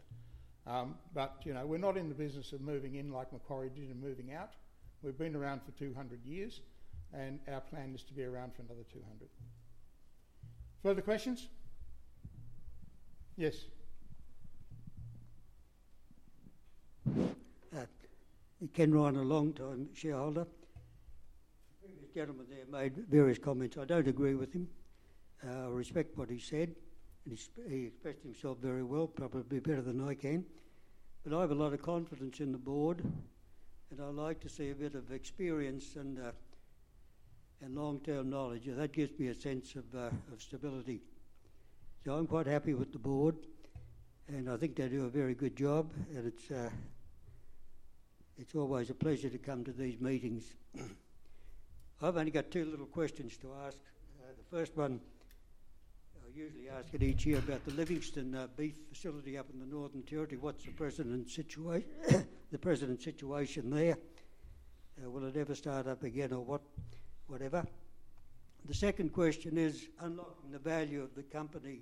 We're not in the business of moving in like Macquarie did and moving out. We've been around for 200 years, and our plan is to be around for another 200. Further questions? Yes. He came around a long time, shareholder. The gentleman there made various comments. I don't agree with him. I respect what he said, and he expressed himself very well, probably better than I can. I have a lot of confidence in the board, and I like to see a bit of experience and long-term knowledge, and that gives me a sense of stability. I'm quite happy with the board, and I think they do a very good job, and it's always a pleasure to come to these meetings. I've only got two little questions to ask. The first one, I usually ask each year about the Livingston Beef Facility up in the Northern Territory. What's the present situation there? Will it ever start up again or whatever? The second question is unlocking the value of the company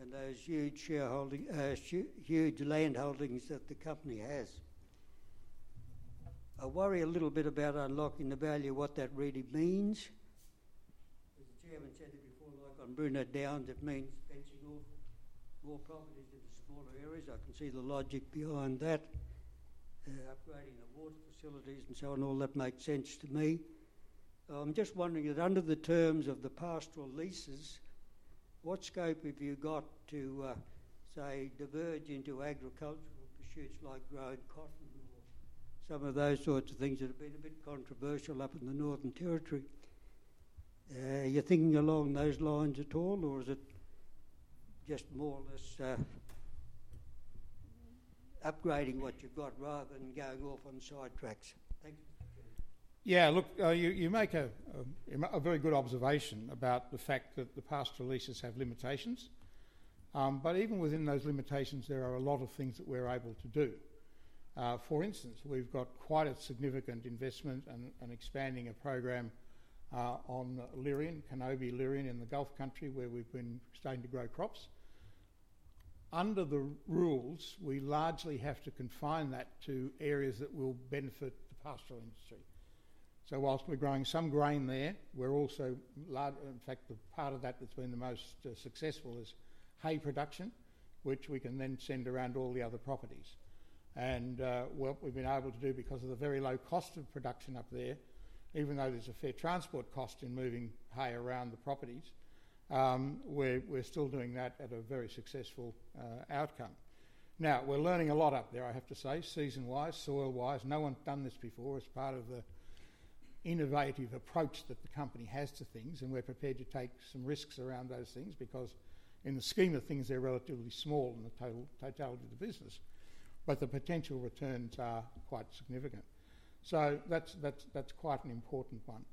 and those huge land holdings that the company has. I worry a little bit about unlocking the value of what that really means. As the Chairman said it before, like on Brunette Downs, it means fencing off more properties into smaller areas. I can see the logic behind that. Upgrading the water facilities and so on, all that makes sense to me. I'm just wondering that under the terms of the pastoral leases, what scope have you got to, say, diverge into agricultural pursuits like growing cotton or some of those sorts of things that have been a bit controversial up in the Northern Territory? Are you thinking along those lines at all, or is it just more or less upgrading what you've got rather than going off on sidetracks? Yeah, look, you make a very good observation about the fact that the pastoral leases have limitations. Even within those limitations, there are a lot of things that we're able to do. For instance, we've got quite a significant investment and expanding a program on Lyrian, canopy Lyrian in the Gulf Country, where we've been starting to grow crops. Under the rules, we largely have to confine that to areas that will benefit the pastoral industry. Whilst we're growing some grain there, in fact, the part of that that's been the most successful is hay production, which we can then send around to all the other properties. What we've been able to do because of the very low cost of production up there, even though there's a fair transport cost in moving hay around the properties, we're still doing that at a very successful outcome. We're learning a lot up there, I have to say, season-wise, soil-wise. No one's done this before. It's part of the innovative approach that the company has to things, and we're prepared to take some risks around those things because in the scheme of things, they're relatively small in the totality of the business, but the potential returns are quite significant. That's quite an important one.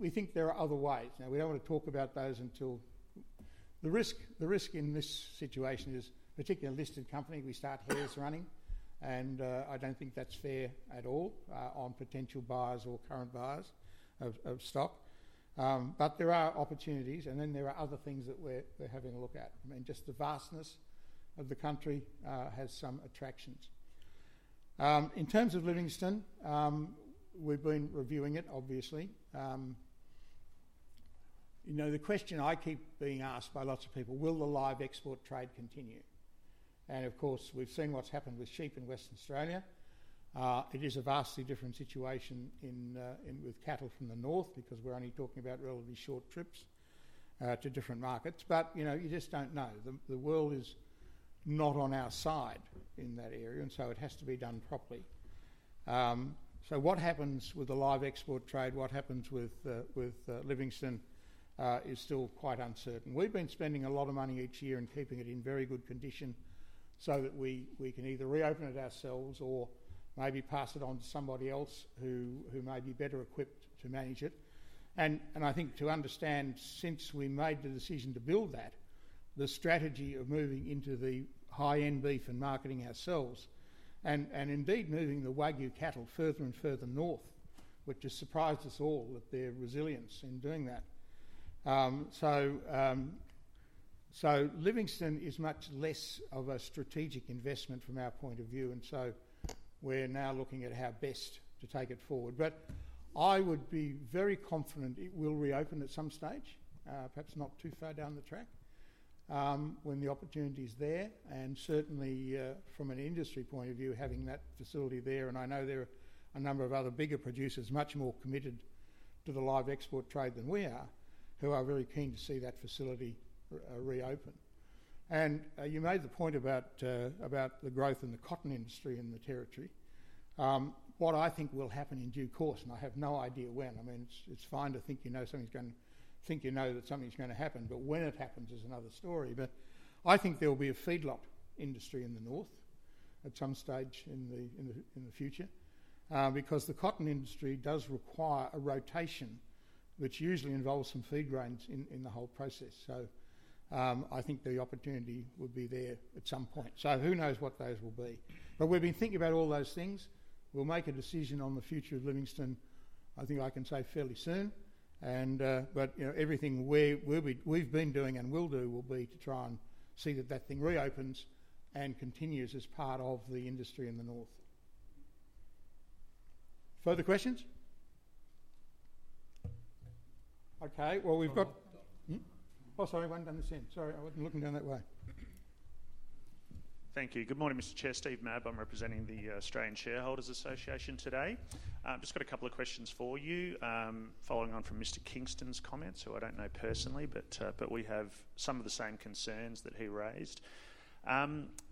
We think there are other ways. We don't want to talk about those until the risk in this situation is, particularly a listed company, we start hairs running, and I don't think that's fair at all on potential buyers or current buyers of stock. There are opportunities, and then there are other things that we're having a look at. I mean, just the vastness of the country has some attractions. In terms of Livingston, we've been reviewing it, obviously. The question I keep being asked by lots of people, will the live export trade continue? Of course, we've seen what's happened with sheep in Western Australia. It is a vastly different situation with cattle from the north because we're only talking about relatively short trips to different markets. You just don't know. The world is not on our side in that area, and it has to be done properly. What happens with the live export trade, what happens with Livingston, is still quite uncertain. We've been spending a lot of money each year and keeping it in very good condition so that we can either reopen it ourselves or maybe pass it on to somebody else who may be better equipped to manage it. I think to understand, since we made the decision to build that, the strategy of moving into the high-end beef and marketing ourselves, and indeed moving the Wagyu cattle further and further north, which has surprised us all with their resilience in doing that. Livingston is much less of a strategic investment from our point of view, and we're now looking at how best to take it forward. I would be very confident it will reopen at some stage, perhaps not too far down the track, when the opportunity is there. Certainly, from an industry point of view, having that facility there, and I know there are a number of other bigger producers much more committed to the live export trade than we are, who are very keen to see that facility reopen. You made the point about the growth in the cotton industry in the territory. What I think will happen in due course, and I have no idea when, I mean, it's fine to think you know that something's going to happen, but when it happens is another story. I think there will be a feedlot industry in the north at some stage in the future because the cotton industry does require a rotation that usually involves some feed grains in the whole process. I think the opportunity would be there at some point. Who knows what those will be? We've been thinking about all those things. We'll make a decision on the future of Livingston, I think I can say fairly soon. Everything we've been doing and will do will be to try and see that that thing reopens and continues as part of the industry in the north. Further questions? Okay, we've got, oh, sorry, one down the same. Sorry, I wasn't looking down that way. Thank you. Good morning, Mr. Chair. Steve Mabb. I'm representing the Australian Shareholders Association today. I've just got a couple of questions for you, following on from Mr. Kingston's comments, who I don't know personally, but we have some of the same concerns that he raised.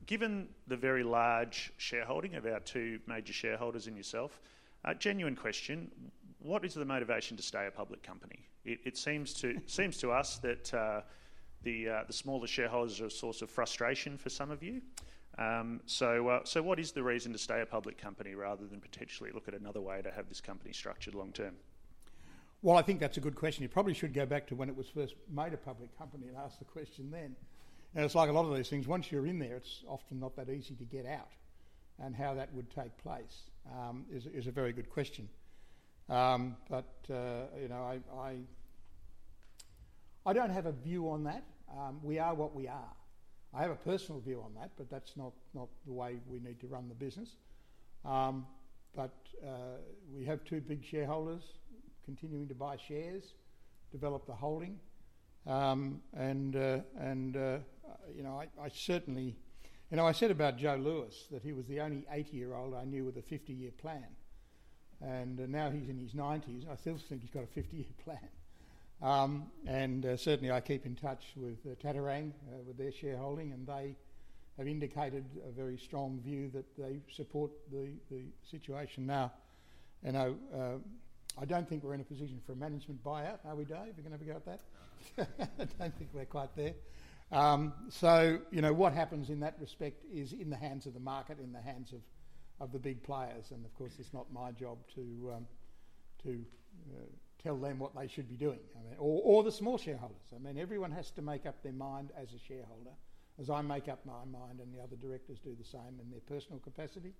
Given the very large shareholding of our two major shareholders and yourself, a genuine question, what is the motivation to stay a public company? It seems to us that the smaller shareholders are a source of frustration for some of you. What is the reason to stay a public company rather than potentially look at another way to have this company structured long-term? That is a good question. You probably should go back to when it was first made a public company and ask the question then. It is like a lot of these things, once you are in there, it is often not that easy to get out. How that would take place is a very good question. I do not have a view on that. We are what we are. I have a personal view on that, but that is not the way we need to run the business. We have two big shareholders continuing to buy shares, develop the holding. I certainly said about Joe Lewis that he was the only 80-year-old I knew with a 50-year plan. Now he is in his 90s. I still think he has got a 50-year plan. I keep in touch with Tadarang with their shareholding, and they have indicated a very strong view that they support the situation now. I do not think we are in a position for a management buyout, are we, Dave, are you going to go with that? I do not think we are quite there. What happens in that respect is in the hands of the market, in the hands of the big players. Of course, it is not my job to tell them what they should be doing, or the small shareholders. Everyone has to make up their mind as a shareholder, as I make up my mind, and the other directors do the same in their personal capacity.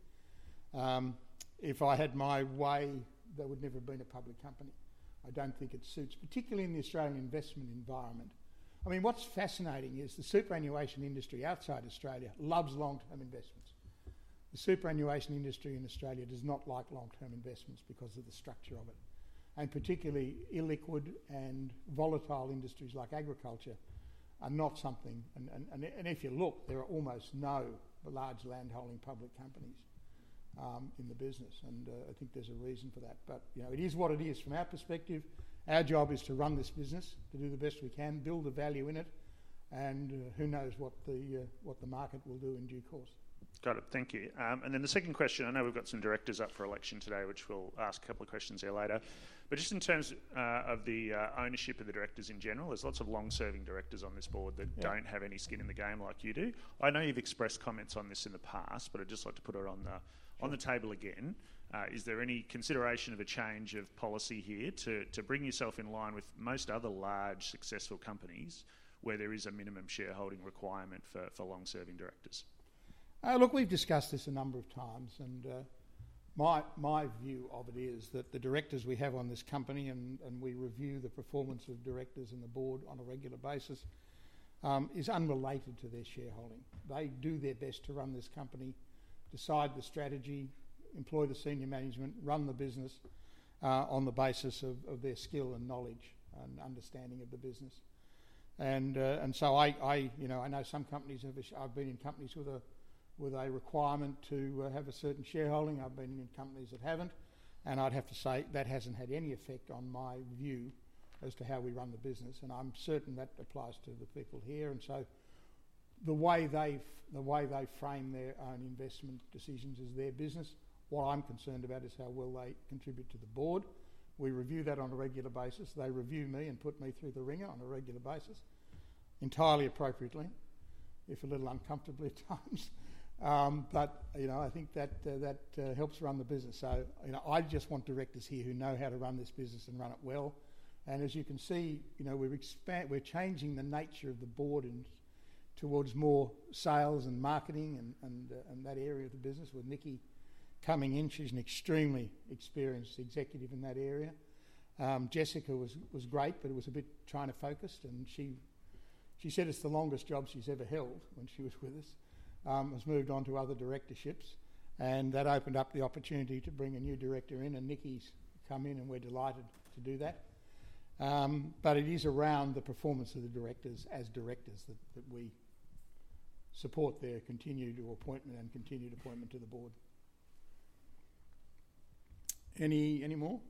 If I had my way, there would never have been a public company. I do not think it suits, particularly in the Australian investment environment. What is fascinating is the superannuation industry outside Australia loves long-term investments. The superannuation industry in Australia does not like long-term investments because of the structure of it. Particularly illiquid and volatile industries like agriculture are not something, and if you look, there are almost no large land holding public companies in the business. I think there is a reason for that. It is what it is from our perspective. Our job is to run this business, to do the best we can, build the value in it, and who knows what the market will do in due course. Thank you. The second question, I know we've got some directors up for election today, which we'll ask a couple of questions here later. In terms of the ownership of the directors in general, there's lots of long-serving directors on this board that don't have any skin in the game like you do. I know you've expressed comments on this in the past, but I'd just like to put it on the table again. Is there any consideration of a change of policy here to bring yourself in line with most other large successful companies where there is a minimum shareholding requirement for long-serving directors? We've discussed this a number of times, and my view of it is that the directors we have on this company, and we review the performance of directors and the board on a regular basis, is unrelated to their shareholding. They do their best to run this company, decide the strategy, employ the senior management, run the business on the basis of their skill and knowledge and understanding of the business. I know some companies have, I've been in companies with a requirement to have a certain shareholding. I've been in companies that haven't, and I'd have to say that hasn't had any effect on my view as to how we run the business. I'm certain that applies to the people here. The way they frame their own investment decisions is their business. What I'm concerned about is how well they contribute to the board. We review that on a regular basis. They review me and put me through the ringer on a regular basis, entirely appropriately, if a little uncomfortable at times. I think that helps run the business. I just want directors here who know how to run this business and run it well. As you can see, we're changing the nature of the board towards more sales and marketing and that area of the business with Nikki coming in. She's an extremely experienced executive in that area. Jessica was great, but it was a bit time-focused, and she said it's the longest job she's ever held when she was with us. She's moved on to other directorships, and that opened up the opportunity to bring a new director in, and Nikki's come in, and we're delighted to do that. It is around the performance of the directors as directors that we support their continued appointment and continued appointment to the board. Any more?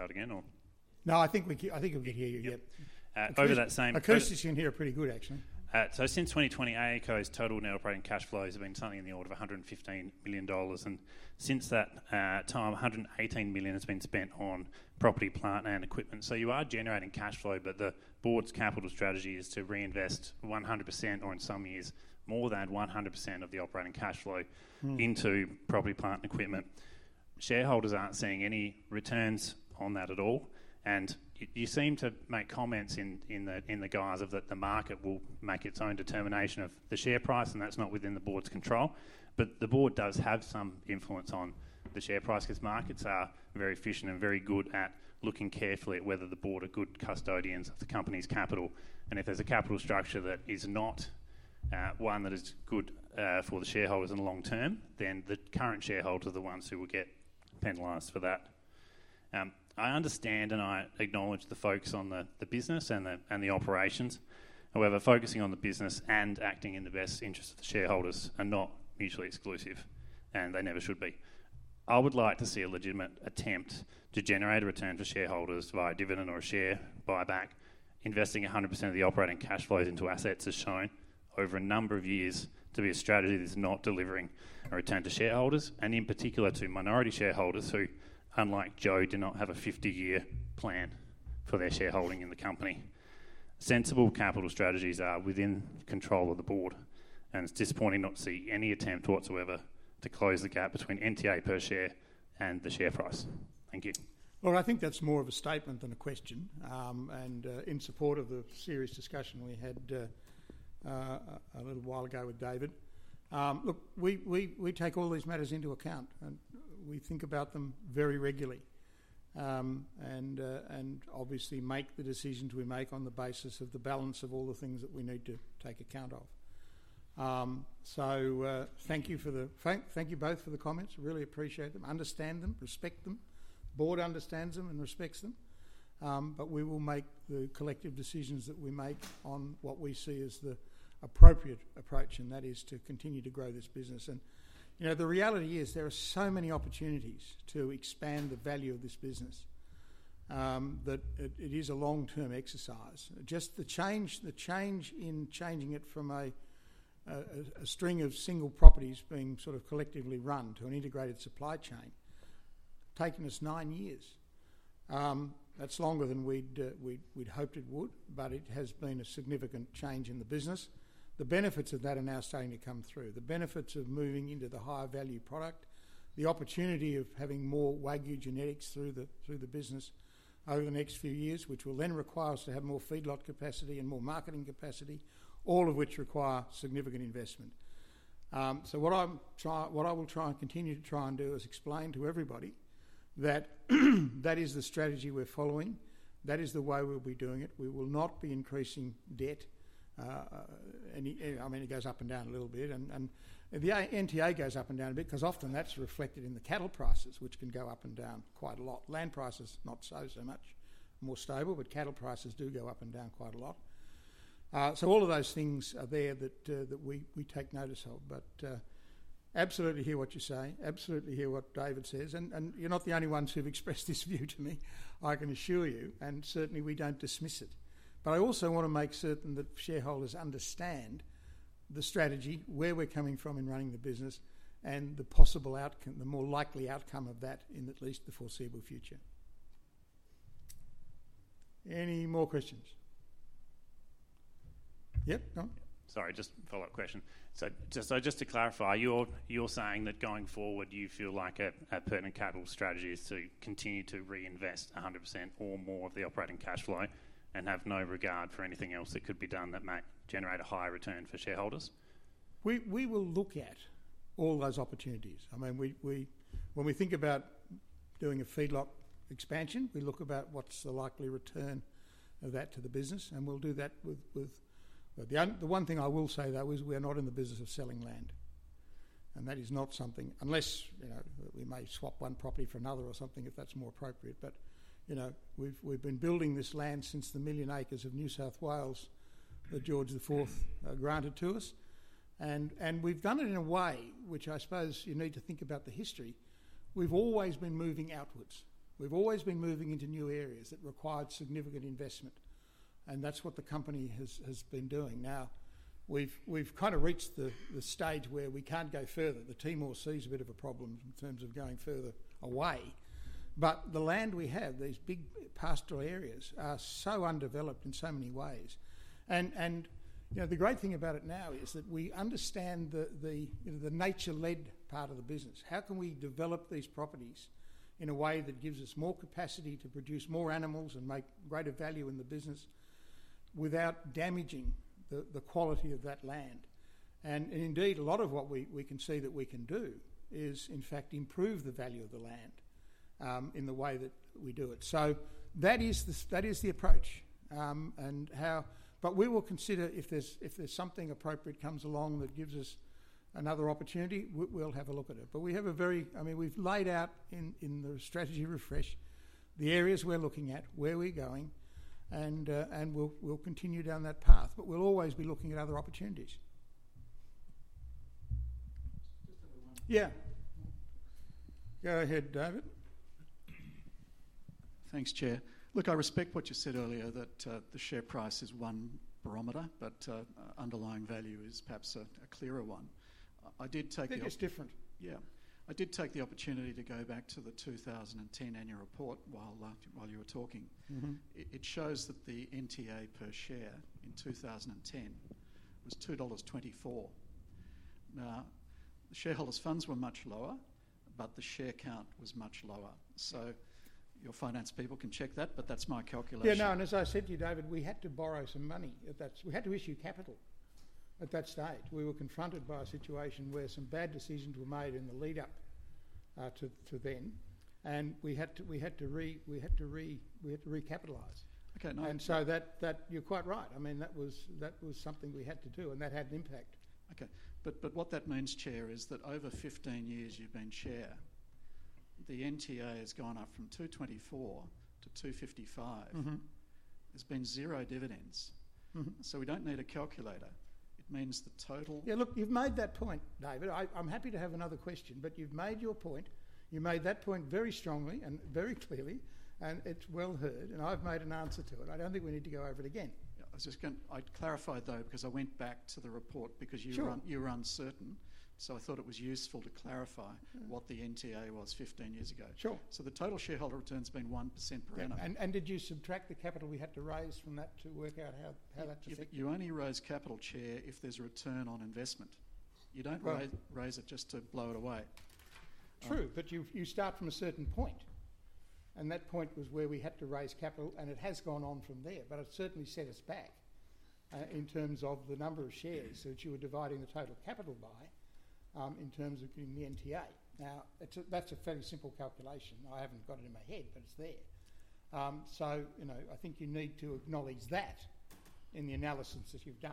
Just a few comments. Chair, the respect you referred to, no one borrows a dividend, but borrowing is not the only source of cash the company has. Since 2020, it got its total amount of operating cash flow to bank something in the order of $115 million, and over that same... Thank you. Tell me to start again. No, I think we can hear you, yeah. Over that same... Acoustics, you can hear pretty good, actually. Since 2020, AACo's total net operating cash flow has been something in the order of $115 million, and since that time, $118 million has been spent on property, plant, and equipment. You are generating cash flow, but the board's capital strategy is to reinvest 100% or in some years more than 100% of the operating cash flow into property, plant, and equipment. Shareholders aren't seeing any returns on that at all, and you seem to make comments in the guise of that the market will make its own determination of the share price, and that's not within the board's control. The board does have some influence on the share price because markets are very efficient and very good at looking carefully at whether the board are good custodians of the company's capital. If there's a capital structure that is not one that is good for the shareholders in the long term, then the current shareholders are the ones who will get penalized for that. I understand and I acknowledge the focus on the business and the operations. However, focusing on the business and acting in the best interests of shareholders are not mutually exclusive, and they never should be. I would like to see a legitimate attempt to generate a return to shareholders via dividend or a share buyback. Investing 100% of the operating cash flows into assets has shown over a number of years to be a strategy that is not delivering a return to shareholders, and in particular to minority shareholders who, unlike Joe, do not have a 50-year plan for their shareholding in the company. Sensible capital strategies are within control of the board, and it's disappointing to not see any attempt whatsoever to close the gap between NTA per share and the share price. Thank you. I think that's more of a statement than a question, and in support of the serious discussion we had a little while ago with David. We take all these matters into account, and we think about them very regularly and obviously make the decisions we make on the basis of the balance of all the things that we need to take account of. Thank you for the comments. I really appreciate them. Understand them, respect them. The board understands them and respects them, but we will make the collective decisions that we make on what we see as the appropriate approach, and that is to continue to grow this business. You know, the reality is there are so many opportunities to expand the value of this business that it is a long-term exercise. Just the change in changing it from a string of single properties being sort of collectively run to an integrated supply chain has taken us nine years. That's longer than we'd hoped it would, but it has been a significant change in the business. The benefits of that are now starting to come through. The benefits of moving into the higher value product, the opportunity of having more Wagyu genetics through the business over the next few years, which will then require us to have more feedlot capacity and more marketing capacity, all of which require significant investment. What I will try and continue to try and do is explain to everybody that that is the strategy of. Following, That is the way we'll be doing it. We will not be increasing debt. I mean, it goes up and down a little bit, and the NTA goes up and down a bit because often that's reflected in the cattle prices, which can go up and down quite a lot. Land prices, not so, much more stable, but cattle prices do go up and down quite a lot. All of those things are there that we take notice of. I absolutely hear what you say, absolutely hear what David says, and you're not the only ones who've expressed this view to me, I can assure you, and certainly we don't dismiss it. I also want to make certain that shareholders understand the strategy, where we're coming from in running the business, and the possible outcome, the more likely outcome of that in at least the foreseeable future. Any more questions? Yep, go. Just a follow-up question. Just to clarify, you're saying that going forward you feel like a permit capital strategy is to continue to reinvest 100% or more of the operating cash flow and have no regard for anything else that could be done that might generate a higher return for shareholders? We will look at all those opportunities. I mean, when we think about doing a feedlot expansion, we look at what's the likely return of that to the business, and we'll do that with... The one thing I will say, though, is we're not in the business of selling land. That is not something... Unless, you know, we may swap one property for another or something if that's more appropriate. We've been building this land since the million acres of New South Wales that George IV granted to us. We've done it in a way which I suppose you need to think about the history. We've always been moving outwards. We've always been moving into new areas that required significant investment. That's what the company has been doing. Now, we've kind of reached the stage where we can't go further. The Timor Sea is a bit of a problem in terms of going further away. The land we have, these big pastoral areas, are so undeveloped in so many ways. The great thing about it now is that we understand the nature-led part of the business. How can we develop these properties in a way that gives us more capacity to produce more animals and make greater value in the business without damaging the quality of that land? Indeed, a lot of what we can see that we can do is, in fact, improve the value of the land in the way that we do it. That is the approach. We will consider if there's something appropriate that comes along that gives us another opportunity, we'll have a look at it. We have a very... I mean, we've laid out in the strategy refresh the areas we're looking at, where we're going, and we'll continue down that path. We'll always be looking at other opportunities. Yeah. Go ahead, David. Thanks, Chair. I respect what you said earlier, that the share price is one barometer, but underlying value is perhaps a clearer one. I think it's different. I did take the opportunity to go back to the 2010 annual report while you were talking. It shows that the NTA per share in 2010 was $2.24. The shareholders' funds were much lower, but the share count was much lower. Your finance people can check that, but that's my calculation. Yeah, no, as I said to you, Dave Harris, we had to borrow some money. We had to issue capital at that stage. We were confronted by a situation where some bad decisions were made in the lead-up to then, and we had to recapitalize. Okay, nice. You're quite right. I mean, that was something we had to do, and that had an impact. Okay. What that means, Chair, is that over 15 years you've been Chair, the NTA has gone up from $2.24-$2.55. There's been zero dividends. We don't need a calculator. It means the total... Yeah, look, you've made that point, David. I'm happy to have another question, but you've made your point. You made that point very strongly and very clearly, and it's well heard, and I've made an answer to it. I don't think we need to go over it again. I clarified, though, because I went back to the report because you were uncertain. I thought it was useful to clarify what the NTA was 15 years ago. Sure. The total shareholder return's been 1% per annum. Did you subtract the capital we had to raise from that to work out how that took it? You only raise capital, Chair, if there's a return on investment. You don't raise it just to blow it away. True, you start from a certain point. That point was where we had to raise capital, and it has gone on from there. It's certainly set us back in terms of the number of shares that you were dividing the total capital by in terms of the NTA. That's a fairly simple calculation. I haven't got it in my head, but it's there. I think you need to acknowledge that in the analysis that you've done.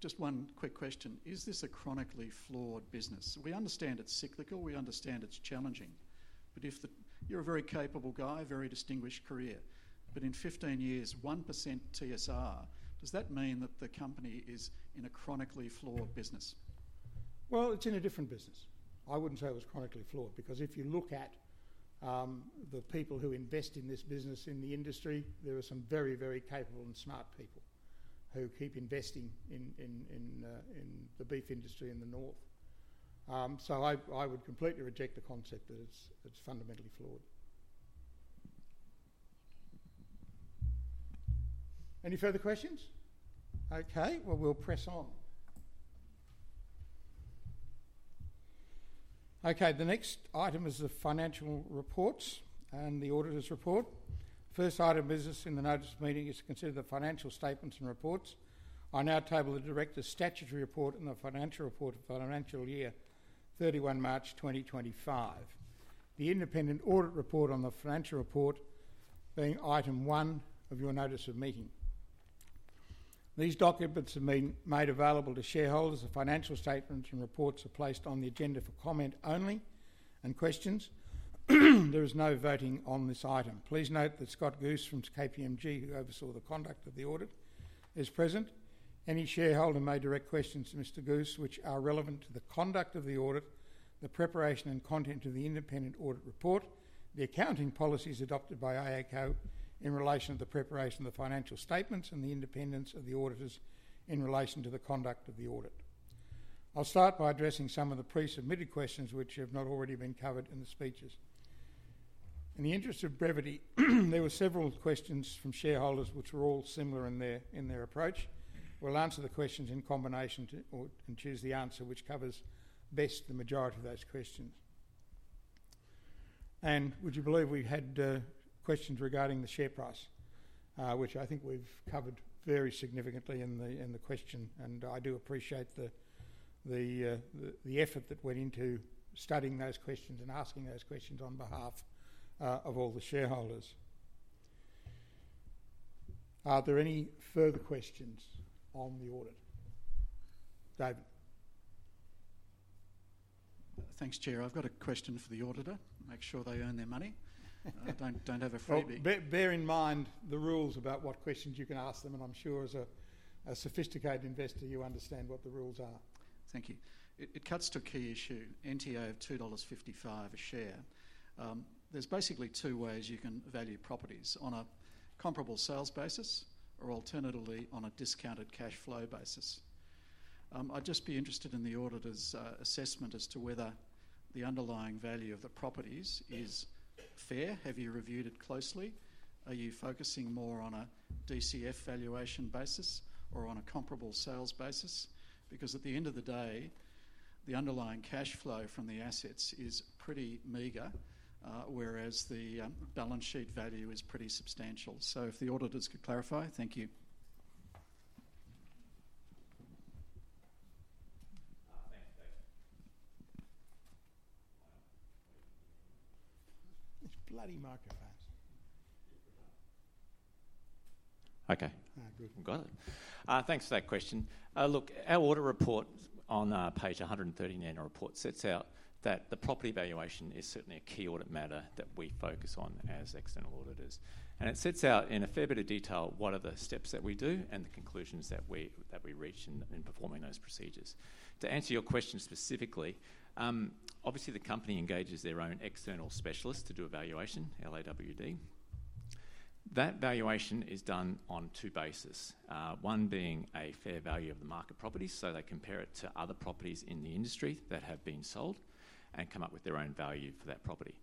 Just one quick question. Is this a chronically flawed business? We understand it's cyclical. We understand it's challenging. If you're a very capable guy, a very distinguished career, but in 15 years, 1% TSR, does that mean that the company is in a chronically flawed business? It's in a different business. I wouldn't say it was chronically flawed because if you look at the people who invest in this business, in the industry, there are some very, very capable and smart people who keep investing in the beef industry in the north. I would completely reject the concept that it's fundamentally flawed. Any further questions? Okay, we'll press on. The next item is the financial reports and the auditors' report. The first item of business in the notice of meeting is to consider the financial statements and reports. I now table the Directors' statutory report and the financial report of the financial year, 31 March 2025. The independent audit report on the financial report is item one of your notice of meeting. These documents are made available to shareholders. The financial statements and reports are placed on the agenda for comment only and questions. There is no voting on this item. Please note that Scott Goose from KPMG, who oversaw the conduct of the audit, is present. Any shareholder may direct questions to Mr. Goose, which are relevant to the conduct of the audit, the preparation and content of the independent audit report, the accounting policies adopted by AACo in relation to the preparation of the financial statements, and the independence of the auditors in relation to the conduct of the audit. I'll start by addressing some of the pre-submitted questions which have not already been covered in the speeches. In the interest of brevity, there were several questions from shareholders which were all similar in their approach. We'll answer the questions in combination and choose the answer which covers best the majority of those questions. Would you believe we'd had questions regarding the share price, which I think we've covered very significantly in the question, and I do appreciate the effort that went into studying those questions and asking those questions on behalf of all the shareholders. Are there any further questions on the audit? David? Thanks, Chair. I've got a question for the auditor. Make sure they earn their money. Don't overthink it. Bear in mind the rules about what questions you can ask them, and I'm sure as a sophisticated investor, you understand what the rules are. Thank you. It cuts to a key issue, NTA of $2.55 a share. There's basically two ways you can value properties: on a comparable sales basis or alternatively on a discounted cash flow basis. I'd just be interested in the auditor's assessment as to whether the underlying value of the properties is fair. Have you reviewed it closely? Are you focusing more on a DCF valuation basis or on a comparable sales basis? At the end of the day, the underlying cash flow from the assets is pretty meager, whereas the balance sheet value is pretty substantial. If the auditors could clarify, thank you. It's bloody market, man. Okay. I agree. Got it. Thanks for that question. Look, our audit report on page 139 of the report sets out that the property valuation is certainly a key audit matter that we focus on as external auditors. It sets out in a fair bit of detail what are the steps that we do and the conclusions that we reach in performing those procedures. To answer your question specifically, obviously the company engages their own external specialist to do a valuation, LAWD. That valuation is done on two bases. One being a fair value of the market properties, so they compare it to other properties in the industry that have been sold and come up with their own value for that property.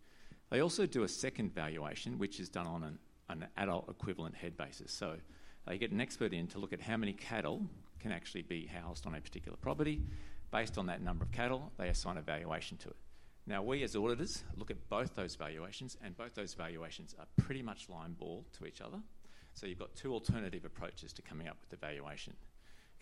They also do a second valuation, which is done on an adult equivalent head basis. They get an expert in to look at how many cattle can actually be housed on a particular property. Based on that number of cattle, they assign a valuation to it. We as auditors look at both those valuations, and both those valuations are pretty much line ball to each other. You have two alternative approaches to coming up with the valuation.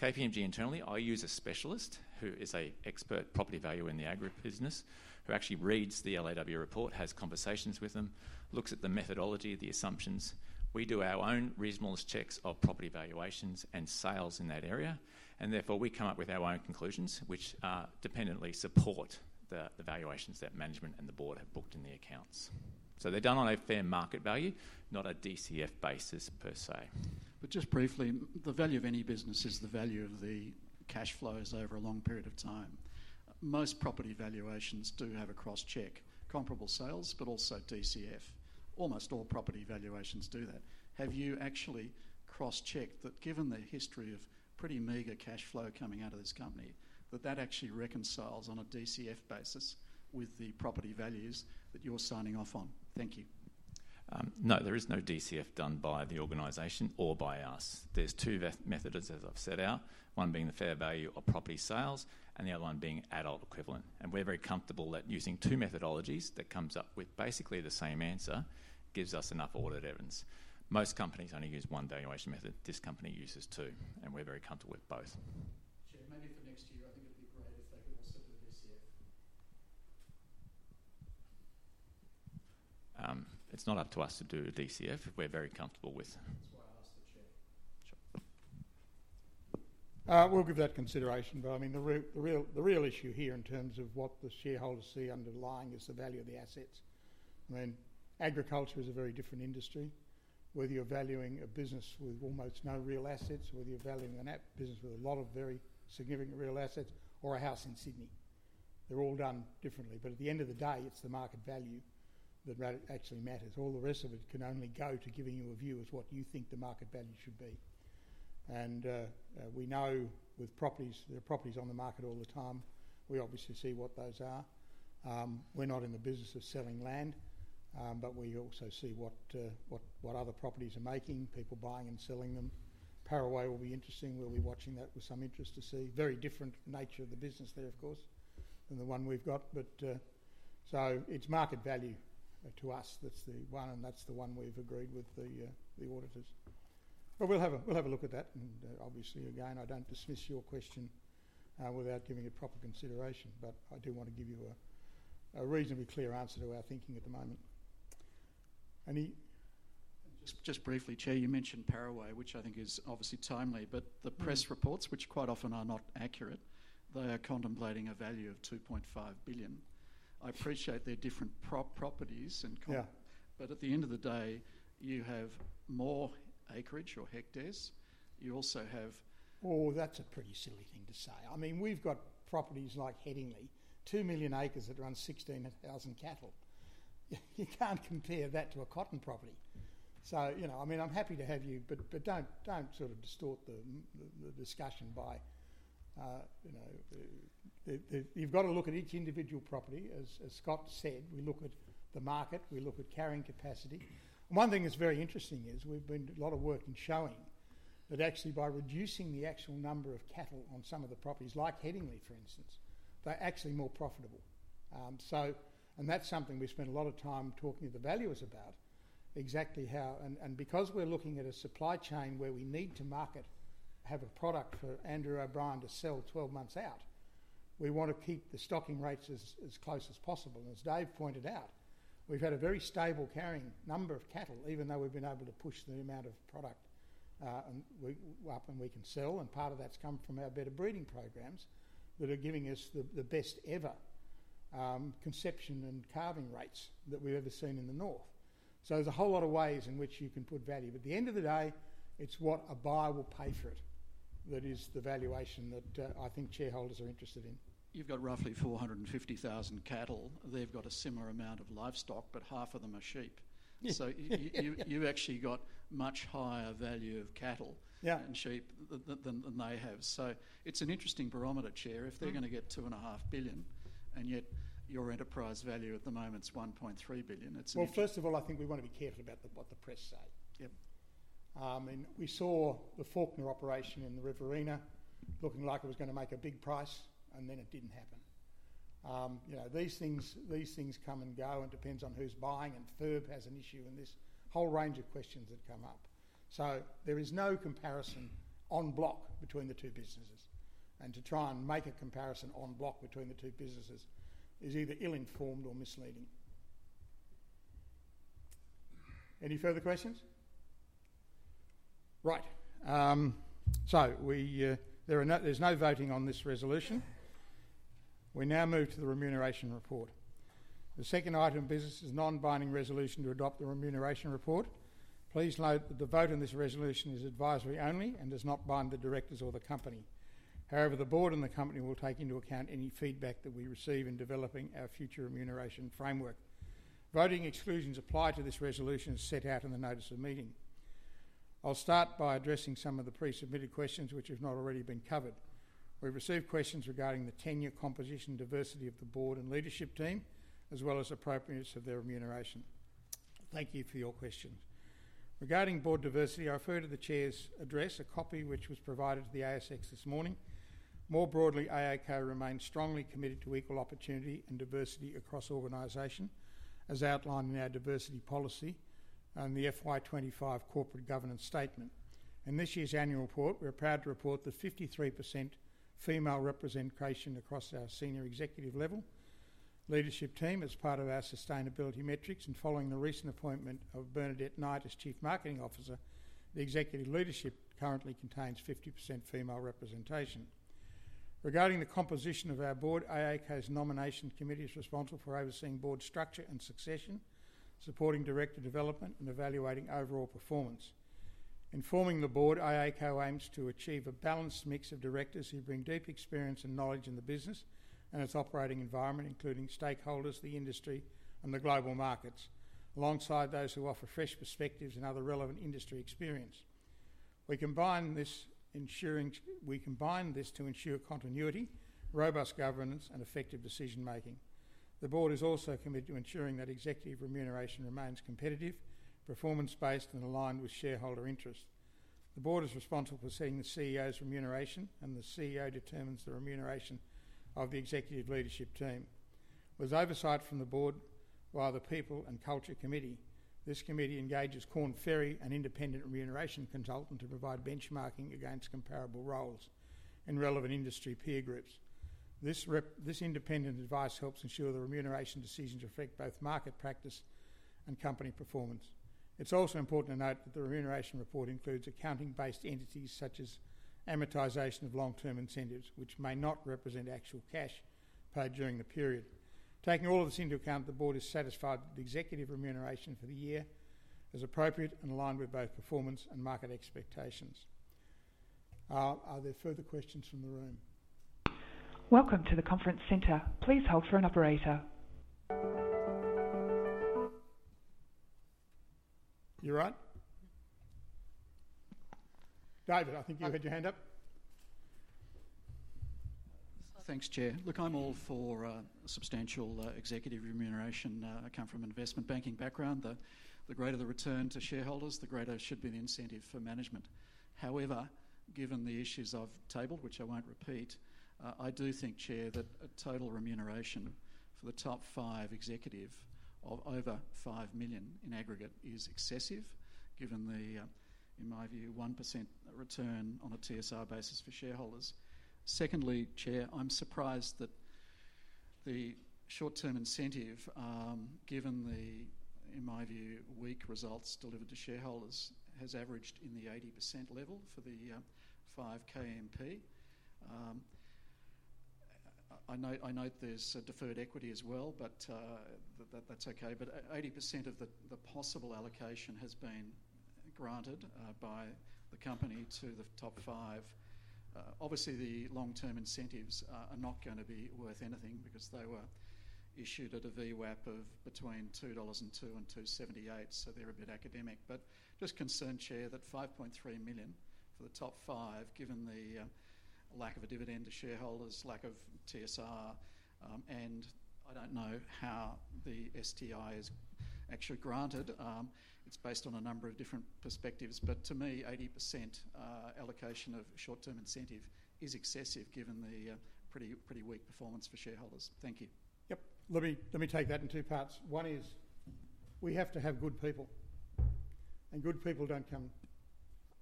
KPMG internally, I use a specialist who is an expert property valuer in the agribusiness, who actually reads the LAWD report, has conversations with them, looks at the methodology, the assumptions. We do our own reasonable checks of property valuations and sales in that area, and therefore we come up with our own conclusions, which independently support the valuations that management and the board have booked in the accounts. They are done on a fair market value, not a DCF basis per se. Briefly, the value of any business is the value of the cash flows over a long period of time. Most property valuations do have a cross-check, comparable sales, but also DCF. Almost all property valuations do that. Have you actually cross-checked that, given the history of pretty meager cash flow coming out of this company, that that actually reconciles on a DCF basis with the property values that you're signing off on? Thank you. No, there is no DCF done by the organization or by us. There are two methods, as I've set out, one being the fair value of property sales and the other one being adult equivalent. We're very comfortable that using two methodologies that comes up with basically the same answer gives us enough audit evidence. Most companies only use one valuation method. This company uses two, and we're very comfortable with both. Chair, maybe for next year, I think it'd be great if they could also do DCF. It's not up to us to do a DCF if we're very comfortable with it. We'll give that consideration, but the real issue here in terms of what the shareholders see underlying is the value of the assets. Agriculture is a very different industry, whether you're valuing a business with almost no real assets, whether you're valuing a business with a lot of very significant real assets, or a house in Sydney. They're all done differently, but at the end of the day, it's the market value that actually matters. All the rest of it can only go to giving you a view of what you think the market value should be. We know with properties, there are properties on the market all the time. We obviously see what those are. We're not in the business of selling land, but we also see what other properties are making, people buying and selling them. Paraway will be interesting. We're watching that with some interest to see the very different nature of the business there, of course, than the one we've got. It's market value to us. That's the one, and that's the one we've agreed with the auditors. We'll have a look at that, and obviously, again, I don't dismiss your question without giving it proper consideration, but I do want to give you a reasonably clear answer to our thinking at the moment. Just briefly, Chair, you mentioned Paraway, which I think is obviously timely, but the press reports, which quite often are not accurate, are contemplating a value of $2.5 billion. I appreciate they're different properties, but at the end of the day, you have more acreage or hectares. You also have. Oh, that's a pretty silly thing to say. I mean, we've got properties like Headingley, 2 million acres that run 16,000 cattle. You can't compare that to a cotton property. I'm happy to have you, but don't sort of distort the discussion by, you've got to look at each individual property. As Scott said, we look at the market, we look at carrying capacity. One thing that's very interesting is we've been doing a lot of work in showing that actually by reducing the actual number of cattle on some of the properties, like Headingley, for instance, they're actually more profitable. That's something we spent a lot of time talking to the valuers about exactly how, and because we're looking at a supply chain where we need to market, have a product for Andrew O'Brien to sell 12 months out, we want to keep the stocking rates as close as possible. As Dave pointed out, we've had a very stable carrying number of cattle, even though we've been able to push the amount of product up and we can sell, and part of that's come from our better breeding programs that are giving us the best ever conception and calving rates that we've ever seen in the north. There's a whole lot of ways in which you can put value, but at the end of the day, it's what a buyer will pay for it that is the valuation that I think shareholders are interested in. You've got roughly 450,000 cattle. They've got a similar amount of livestock, but half of them are sheep. You've actually got a much higher value of cattle and sheep than they have. It's an interesting barometer, Chair, if they're going to get $2.5 billion, and yet your enterprise value at the moment is $1.3 billion. First of all, I think we want to be careful about what the press say. Yep. We saw the Faulkner operation in the Riverina looking like it was going to make a big price, and then it didn't happen. These things come and go, and it depends on who's buying, and Thurb has an issue, and there's a whole range of questions that come up. There is no comparison en bloc between the two businesses, and to try and make a comparison en bloc between the two businesses is either ill-informed or misleading. Any further questions? Right. There's no voting on this resolution. We now move to the remuneration report. The second item of business is a non-binding resolution to adopt the remuneration report. Please note that the vote on this resolution is advisory only and does not bind the directors or the company. However, the board and the company will take into account any feedback that we receive in developing our future remuneration framework. Voting exclusions apply to this resolution as set out in the notice of meeting. I'll start by addressing some of the pre-submitted questions, which have not already been covered. We've received questions regarding the tenure, composition, and diversity of the board and leadership team, as well as appropriateness of their remuneration. Thank you for your questions. Regarding board diversity, I refer to the Chair's address, a copy of which was provided to the ASX this morning. More broadly, AACo remains strongly committed to equal opportunity and diversity across the organization, as outlined in our diversity policy and the FY 2025 corporate governance statement. In this year's annual report, we're proud to report the 53% female representation across our senior executive level leadership team as part of our sustainability metrics, and following the recent appointment of Bernadette Knight as Chief Marketing Officer, the executive leadership currently contains 50% female representation. Regarding the composition of our board, AACo's nomination committee is responsible for overseeing board structure and succession, supporting director development, and evaluating overall performance. In forming the board, AACo aims to achieve a balanced mix of directors who bring deep experience and knowledge in the business and its operating environment, including stakeholders, the industry, and the global markets, alongside those who offer fresh perspectives and other relevant industry experience. We combine this to ensure continuity, robust governance, and effective decision-making. The board is also committed to ensuring that executive remuneration remains competitive, performance-based, and aligned with shareholder interests. The board is responsible for seeing the CEO's remuneration, and the CEO determines the remuneration of the executive leadership team. With oversight from the board via the People and Culture Committee, this committee engages Korn Ferry, an independent remuneration consultant, to provide benchmarking against comparable roles in relevant industry peer groups. This independent advice helps ensure the remuneration decisions affect both market practice and company performance. It's also important to note that the remuneration report includes accounting-based entities such as amortization of long-term incentives, which may not represent actual cash paid during the period. Taking all of this into account, the board is satisfied that the executive remuneration for the year is appropriate and aligned with both performance and market expectations. Are there further questions from the room? Welcome to the conference center. Please hold for an operator. You're on. Dave, I think you had your hand up. Thanks, Chair. Look, I'm all for a substantial executive remuneration. I come from an investment banking background. The greater the return to shareholders, the greater should be the incentive for management. However, given the issues I've tabled, which I won't repeat, I do think, Chair, that a total remuneration for the top five executives of over $5 million in aggregate is excessive, given the, in my view, 1% return on a TSR basis for shareholders. Secondly, Chair, I'm surprised that the short-term incentive, given the, in my view, weak results delivered to shareholders, has averaged in the 80% level for the 5 KMP. I note there's deferred equity as well, but that's okay. 80% of the possible allocation has been granted by the company to the top five. Obviously, the long-term incentives are not going to be worth anything because they were issued at a VWAP of between $2.02 and $2.78, so they're a bit academic. I'm just concerned, Chair, that $5.3 million for the top five, given the lack of a dividend to shareholders, lack of TSR, and I don't know how the STI is actually granted. It's based on a number of different perspectives. To me, 80% allocation of short-term incentive is excessive, given the pretty weak performance for shareholders. Thank you. Yep. Let me take that in two parts. One is we have to have good people, and good people don't come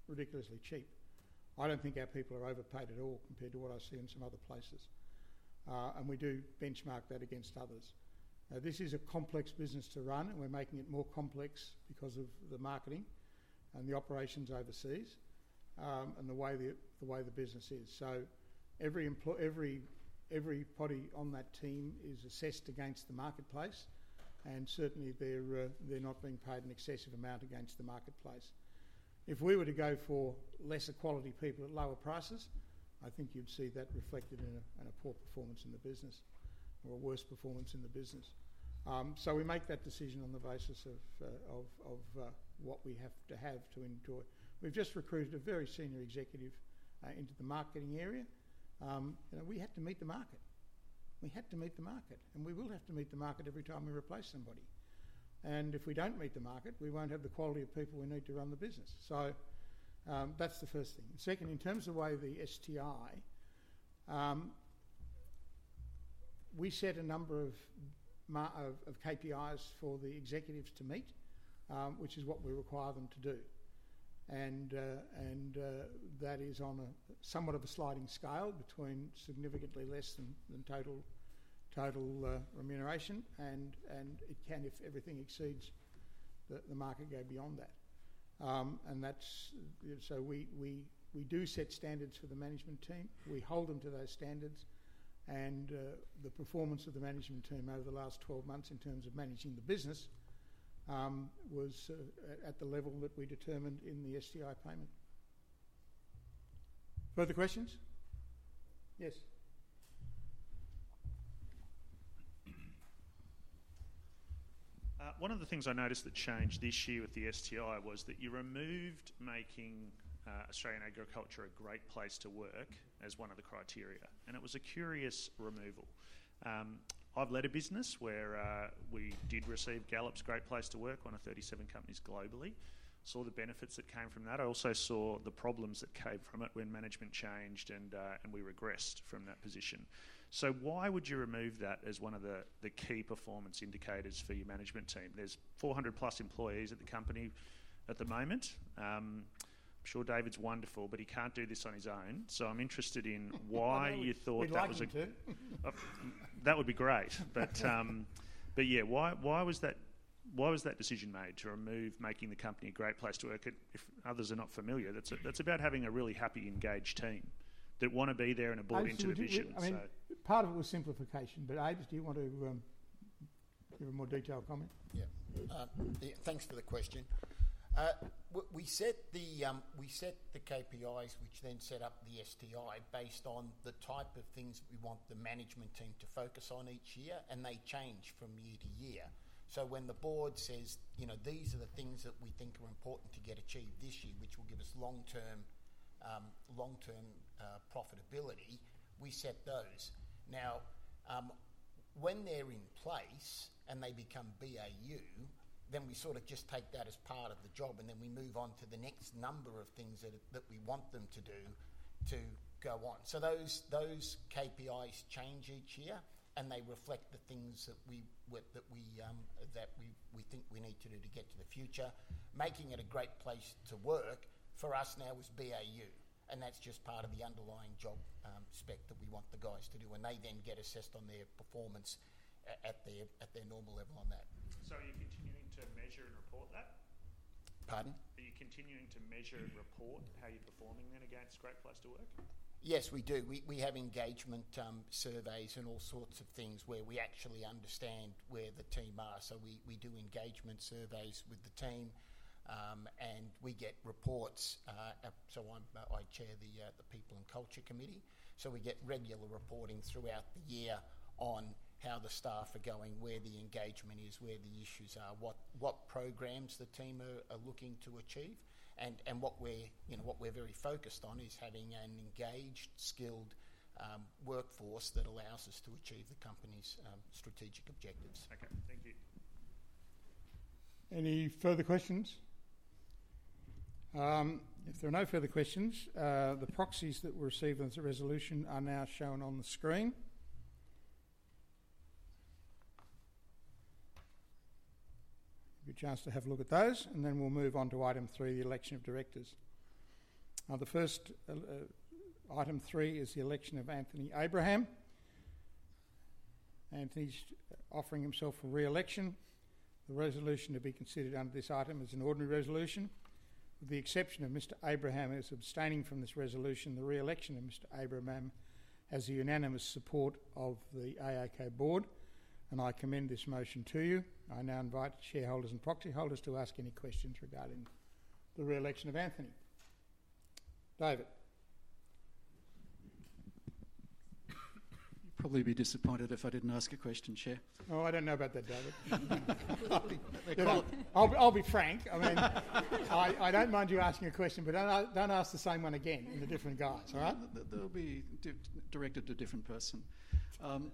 ridiculously cheap. I don't think our people are overpaid at all compared to what I see in some other places. We do benchmark that against others. This is a complex business to run, and we're making it more complex because of the marketing and the operations overseas and the way the business is. Every party on that team is assessed against the marketplace, and certainly they're not being paid an excessive amount against the marketplace. If we were to go for lesser quality people at lower prices, I think you'd see that reflected in a poor performance in the business or a worse performance in the business. We make that decision on the basis of what we have to have to enjoy. We've just recruited a very senior executive into the marketing area, and we had to meet the market. We had to meet the market, and we will have to meet the market every time we replace somebody. If we don't meet the market, we won't have the quality of people we need to run the business. That's the first thing. Second, in terms of the way the STI, we set a number of KPIs for the executives to meet, which is what we require them to do. That is on a somewhat of a sliding scale between significantly less than total remuneration, and it can, if everything exceeds the market, go beyond that. We do set standards for the management team. We hold them to those standards, and the performance of the management team over the last 12 months in terms of managing the business was at the level that we determined in the STI payment. Further questions? Yes. One of the things I noticed that changed this year with the STI was that you removed making Australian agriculture a great place to work as one of the criteria, and it was a curious removal. I've led a business where we did receive Gallup's great place to work on 37 companies globally. I saw the benefits that came from that. I also saw the problems that came from it when management changed, and we regressed from that position. Why would you remove that as one of the key performance indicators for your management team? There's 400+ employees at the company at the moment. I'm sure Dave's wonderful, but he can't do this on his own. I'm interested in why you thought that was. I thought Dave Harris could. That would be great. Yeah, why was that decision made to remove making the company a great place to work? If others are not familiar, that's about having a really happy, engaged team that want to be there and are brought into the vision. Part of it was simplification, but Anthony, do you want to give a more detailed comment? Yeah. Thanks for the question. We set the KPIs, which then set up the STI based on the type of things we want the management team to focus on each year, and they change from year to year. When the board says, you know, these are the things that we think are important to get achieved this year, which will give us long-term profitability, we set those. When they're in place and they become BAU, we sort of just take that as part of the job, and we move on to the next number of things that we want them to do to go on. Those KPIs change each year, and they reflect the things that we think we need to do to get to the future. Making it a great place to work for us now is BAU, and that's just part of the underlying job spec that we want the guys to do, and they then get assessed on their performance at their normal level on that. Are you continuing to measure and report that? Pardon? Are you continuing to measure and report how you're performing then against Great Place to Work? Yes, we do. We have engagement surveys and all sorts of things where we actually understand where the team are. We do engagement surveys with the team, and we get reports. I chair the People and Culture Committee. We get regular reporting throughout the year on how the staff are going, where the engagement is, where the issues are, what programs the team are looking to achieve, and what we're very focused on is having an engaged, skilled workforce that allows us to achieve the company's strategic objectives. Okay, thank you. Any further questions? If there are no further questions, the proxies that were received in this resolution are now shown on the screen. Give you a chance to have a look at those, and then we'll move on to item three, the election of directors. The first item three is the election of Anthony Abraham. Anthony's offering himself for reelection. The resolution to be considered under this item is an ordinary resolution. With the exception of Mr. Abraham as abstaining from this resolution, the reelection of Mr. Abraham has unanimous support of the AACo board, and I commend this motion to you. I now invite shareholders and property holders to ask any questions regarding the reelection of Anthony. David. You'd probably be disappointed if I didn't ask a question, Chair. Oh, I don't know about that, Dave Harris. I'll be frank. I don't mind you asking a question, but don't ask the same one again in a different guise, all right? It'll be directed to a different person.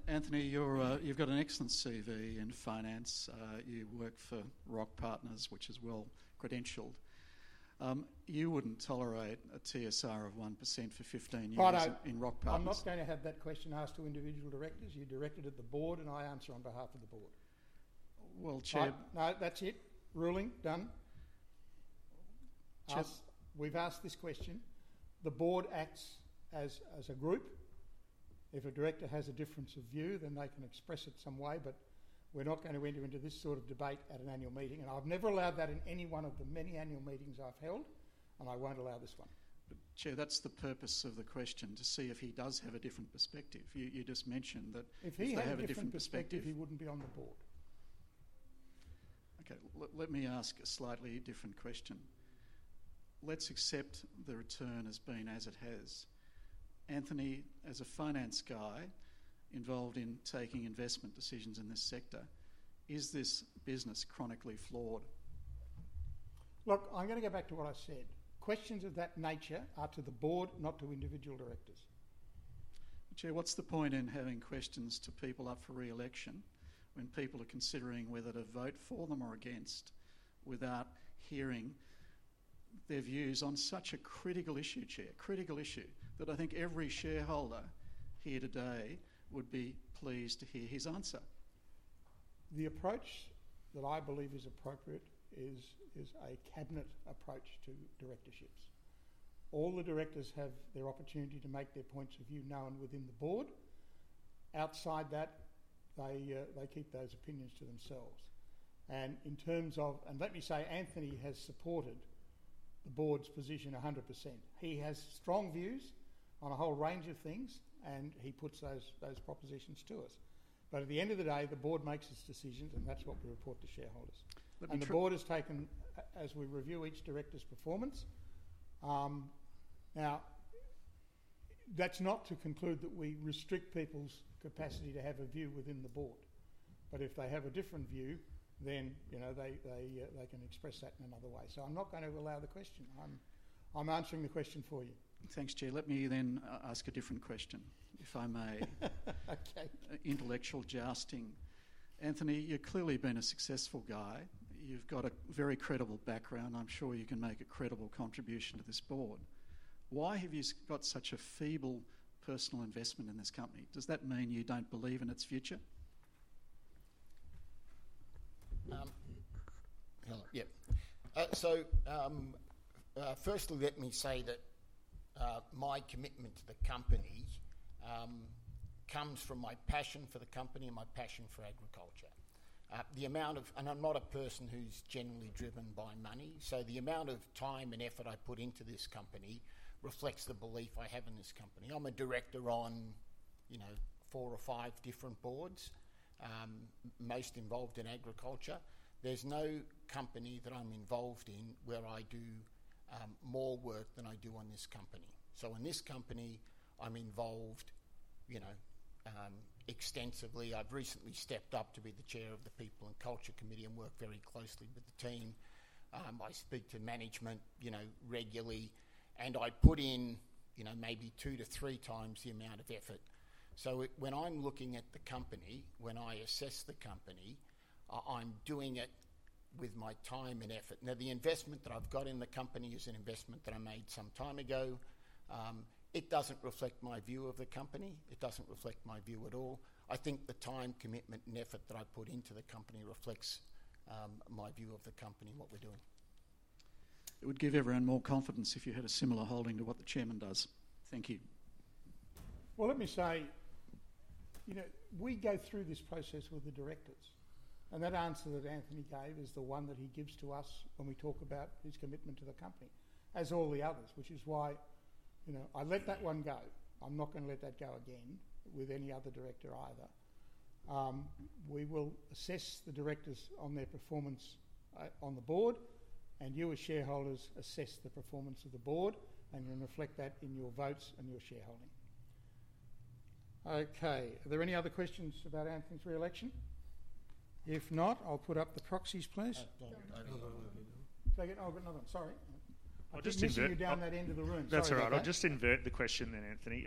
Anthony, you've got an excellent CV in finance. You work for Rock Partners, which is well credentialed. You wouldn't tolerate a TSR of 1% for 15 years in Rock Partners. I'm not going to have that question asked to individual directors. You directed it at the board, and I answer on behalf of the board. Chair, that's it. Ruling, done. We've asked this question. The board acts as a group. If a director has a difference of view, then they can express it some way, but we're not going to enter into this sort of debate at an annual meeting. I've never allowed that in any one of the many annual meetings I've held, and I won't allow this one. Chair, that's the purpose of the question, to see if he does have a different perspective. You just mentioned that if he had a different perspective, he wouldn't be on the board. Let me ask a slightly different question. Let's accept the return as being as it has. Anthony, as a finance guy involved in taking investment decisions in this sector, is this business chronically flawed? Look, I'm going to go back to what I said. Questions of that nature are to the board, not to individual directors. Chair, what's the point in having questions to people up for reelection when people are considering whether to vote for them or against without hearing their views on such a critical issue, Chair, a critical issue that I think every shareholder here today would be pleased to hear his answer? The approach that I believe is appropriate is a cabinet approach to directorships. All the directors have their opportunity to make their points of view known within the board. Outside that, they keep those opinions to themselves. In terms of, let me say, Anthony has supported the board's position 100%. He has strong views on a whole range of things, and he puts those propositions to us. At the end of the day, the board makes its decisions, and that's what we report to shareholders. The board has taken, as we review each director's performance, now, that's not to conclude that we restrict people's capacity to have a view within the board. If they have a different view, they can express that in another way. I'm not going to allow the question. I'm answering the question for you. Thanks, Chair. Let me ask a different question, if I may. Okay. Intellectual jousting. Anthony, you've clearly been a successful guy. You've got a very credible background. I'm sure you can make a credible contribution to this board. Why have you got such a feeble personal investment in this company? Does that mean you don't believe in its future? Firstly, let me say that my commitment to the company comes from my passion for the company and my passion for agriculture. I'm not a person who's generally driven by money, so the amount of time and effort I put into this company reflects the belief I have in this company. I'm a director on four or five different boards, most involved in agriculture. There's no company that I'm involved in where I do more work than I do on this company. In this company, I'm involved extensively. I've recently stepped up to be the Chair of the People and Culture Committee and work very closely with the team. I speak to management regularly, and I put in maybe two to three times the amount of effort. When I'm looking at the company, when I assess the company, I'm doing it with my time and effort. The investment that I've got in the company is an investment that I made some time ago. It doesn't reflect my view of the company. It doesn't reflect my view at all. I think the time, commitment, and effort that I put into the company reflects my view of the company and what we're doing. It would give everyone more confidence if you had a similar holding to what the Chairman does. Thank you. You know, we go through this process with the directors, and that answer that Anthony gave is the one that he gives to us when we talk about his commitment to the company, as all the others, which is why I let that one go. I'm not going to let that go again with any other director either. We will assess the directors on their performance on the board, and you as shareholders assess the performance of the board and then reflect that in your votes and your shareholding. Okay. Are there any other questions about Anthony's reelection? If not, I'll put up the proxies, please. Don't. Nothing. Sorry, I'll just move you down that end of the room. That's all right. I'll just invert the question then, Anthony.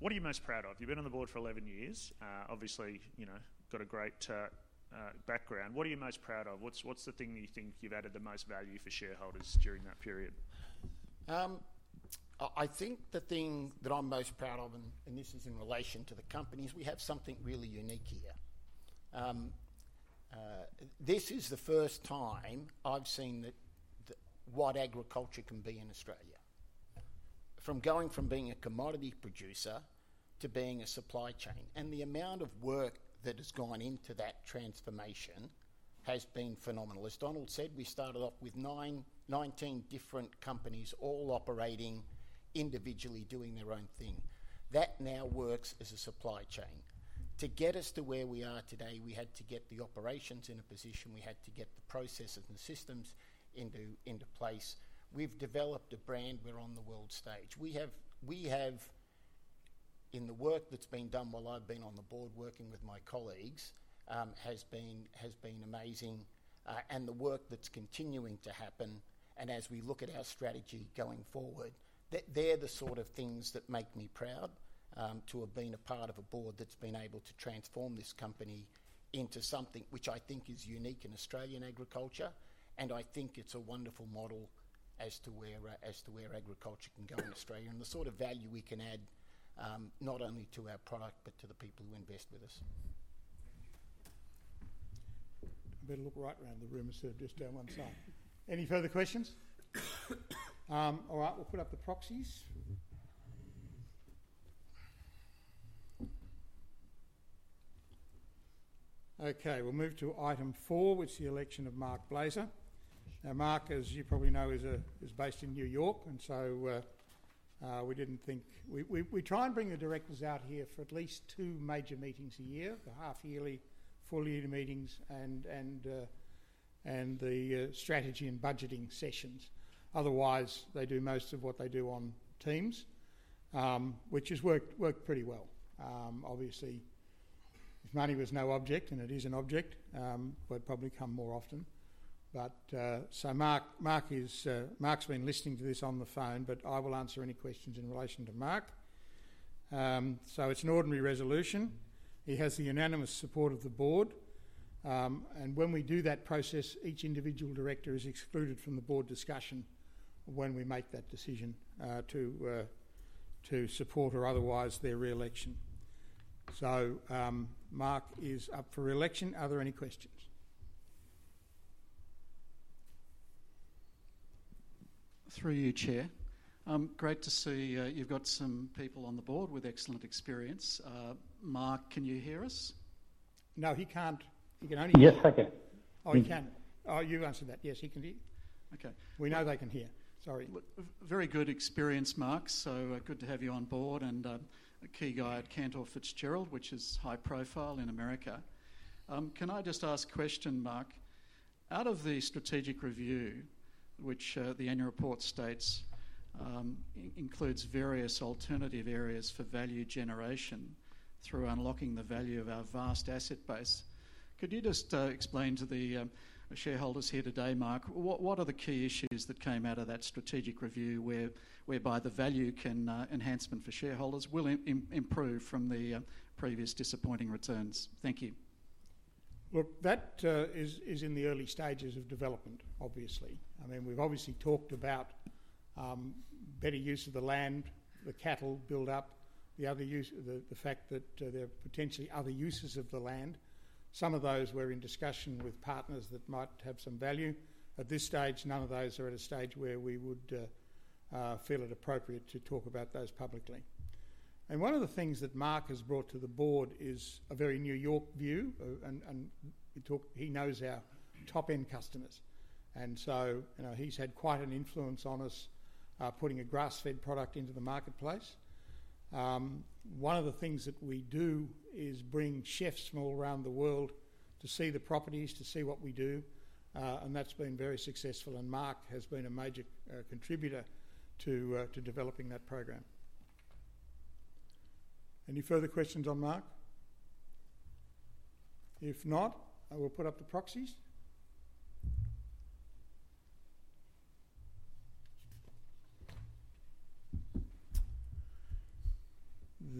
What are you most proud of? You've been on the board for 11 years. Obviously, you know, got a great background. What are you most proud of? What's the thing that you think you've added the most value for shareholders during that period? I think the thing that I'm most proud of, and this is in relation to the company, we have something really unique here. This is the first time I've seen what agriculture can be in Australia. From going from being a commodity producer to being a supply chain, and the amount of work that has gone into that transformation has been phenomenal. As Donald said, we started off with 19 different companies, all operating individually, doing their own thing. That now works as a supply chain. To get us to where we are today, we had to get the operations in a position. We had to get the processes and the systems into place. We've developed a brand. We're on the world stage. The work that's been done while I've been on the board working with my colleagues has been amazing. The work that's continuing to happen, as we look at our strategy going forward, they're the sort of things that make me proud to have been a part of a board that's been able to transform this company into something which I think is unique in Australian agriculture. I think it's a wonderful model as to where agriculture can go in Australia and the sort of value we can add, not only to our product, but to the people who invest with us. Better look right around the room instead of just down one side. Any further questions? All right, we'll put up the proxies. Okay, we'll move to item four, which is the election of Mark Blazer. Now, Mark, as you probably know, is based in New York, and we didn't think we try and bring the directors out here for at least two major meetings a year, the half-yearly, full-year meetings, and the strategy and budgeting sessions. Otherwise, they do most of what they do on Teams, which has worked pretty well. Obviously, if money was no object, and it is an object, he would probably come more often. Mark's been listening to this on the phone, but I will answer any questions in relation to Mark. It's an ordinary resolution. He has the unanimous support of the board. When we do that process, each individual director is excluded from the board discussion when we make that decision to support or otherwise their reelection. Mark is up for reelection. Are there any questions? Through you, Chair. Great to see you've got some people on the board with excellent experience. Mark, can you hear us? No, he can't. He can only. Yes, I can. Oh, you answered that. Yes, he can hear. Okay. We know they can hear. Sorry. Very good experience, Mark. It is good to have you on board and a key guy at Cantor Fitzgerald, which is high profile in America. Can I just ask a question, Mark? Out of the strategic review, which the annual report states includes various alternative areas for value generation through unlocking the value of our vast asset base, could you just explain to the shareholders here today, Mark, what are the key issues that came out of that strategic review whereby the value enhancement for shareholders will improve from the previous disappointing returns? Thank you. That is in the early stages of development, obviously. We've obviously talked about better use of the land, the cattle buildup, the other use, the fact that there are potentially other uses of the land. Some of those were in discussion with partners that might have some value. At this stage, none of those are at a stage where we would feel it appropriate to talk about those publicly. One of the things that Mark has brought to the board is a very New York view, and he knows our top-end customers. He's had quite an influence on us putting a grass-fed product into the marketplace. One of the things that we do is bring chefs from all around the world to see the properties, to see what we do. That's been very successful, and Mark has been a major contributor to developing that program. Any further questions on Mark? If not, I will put up the proxies.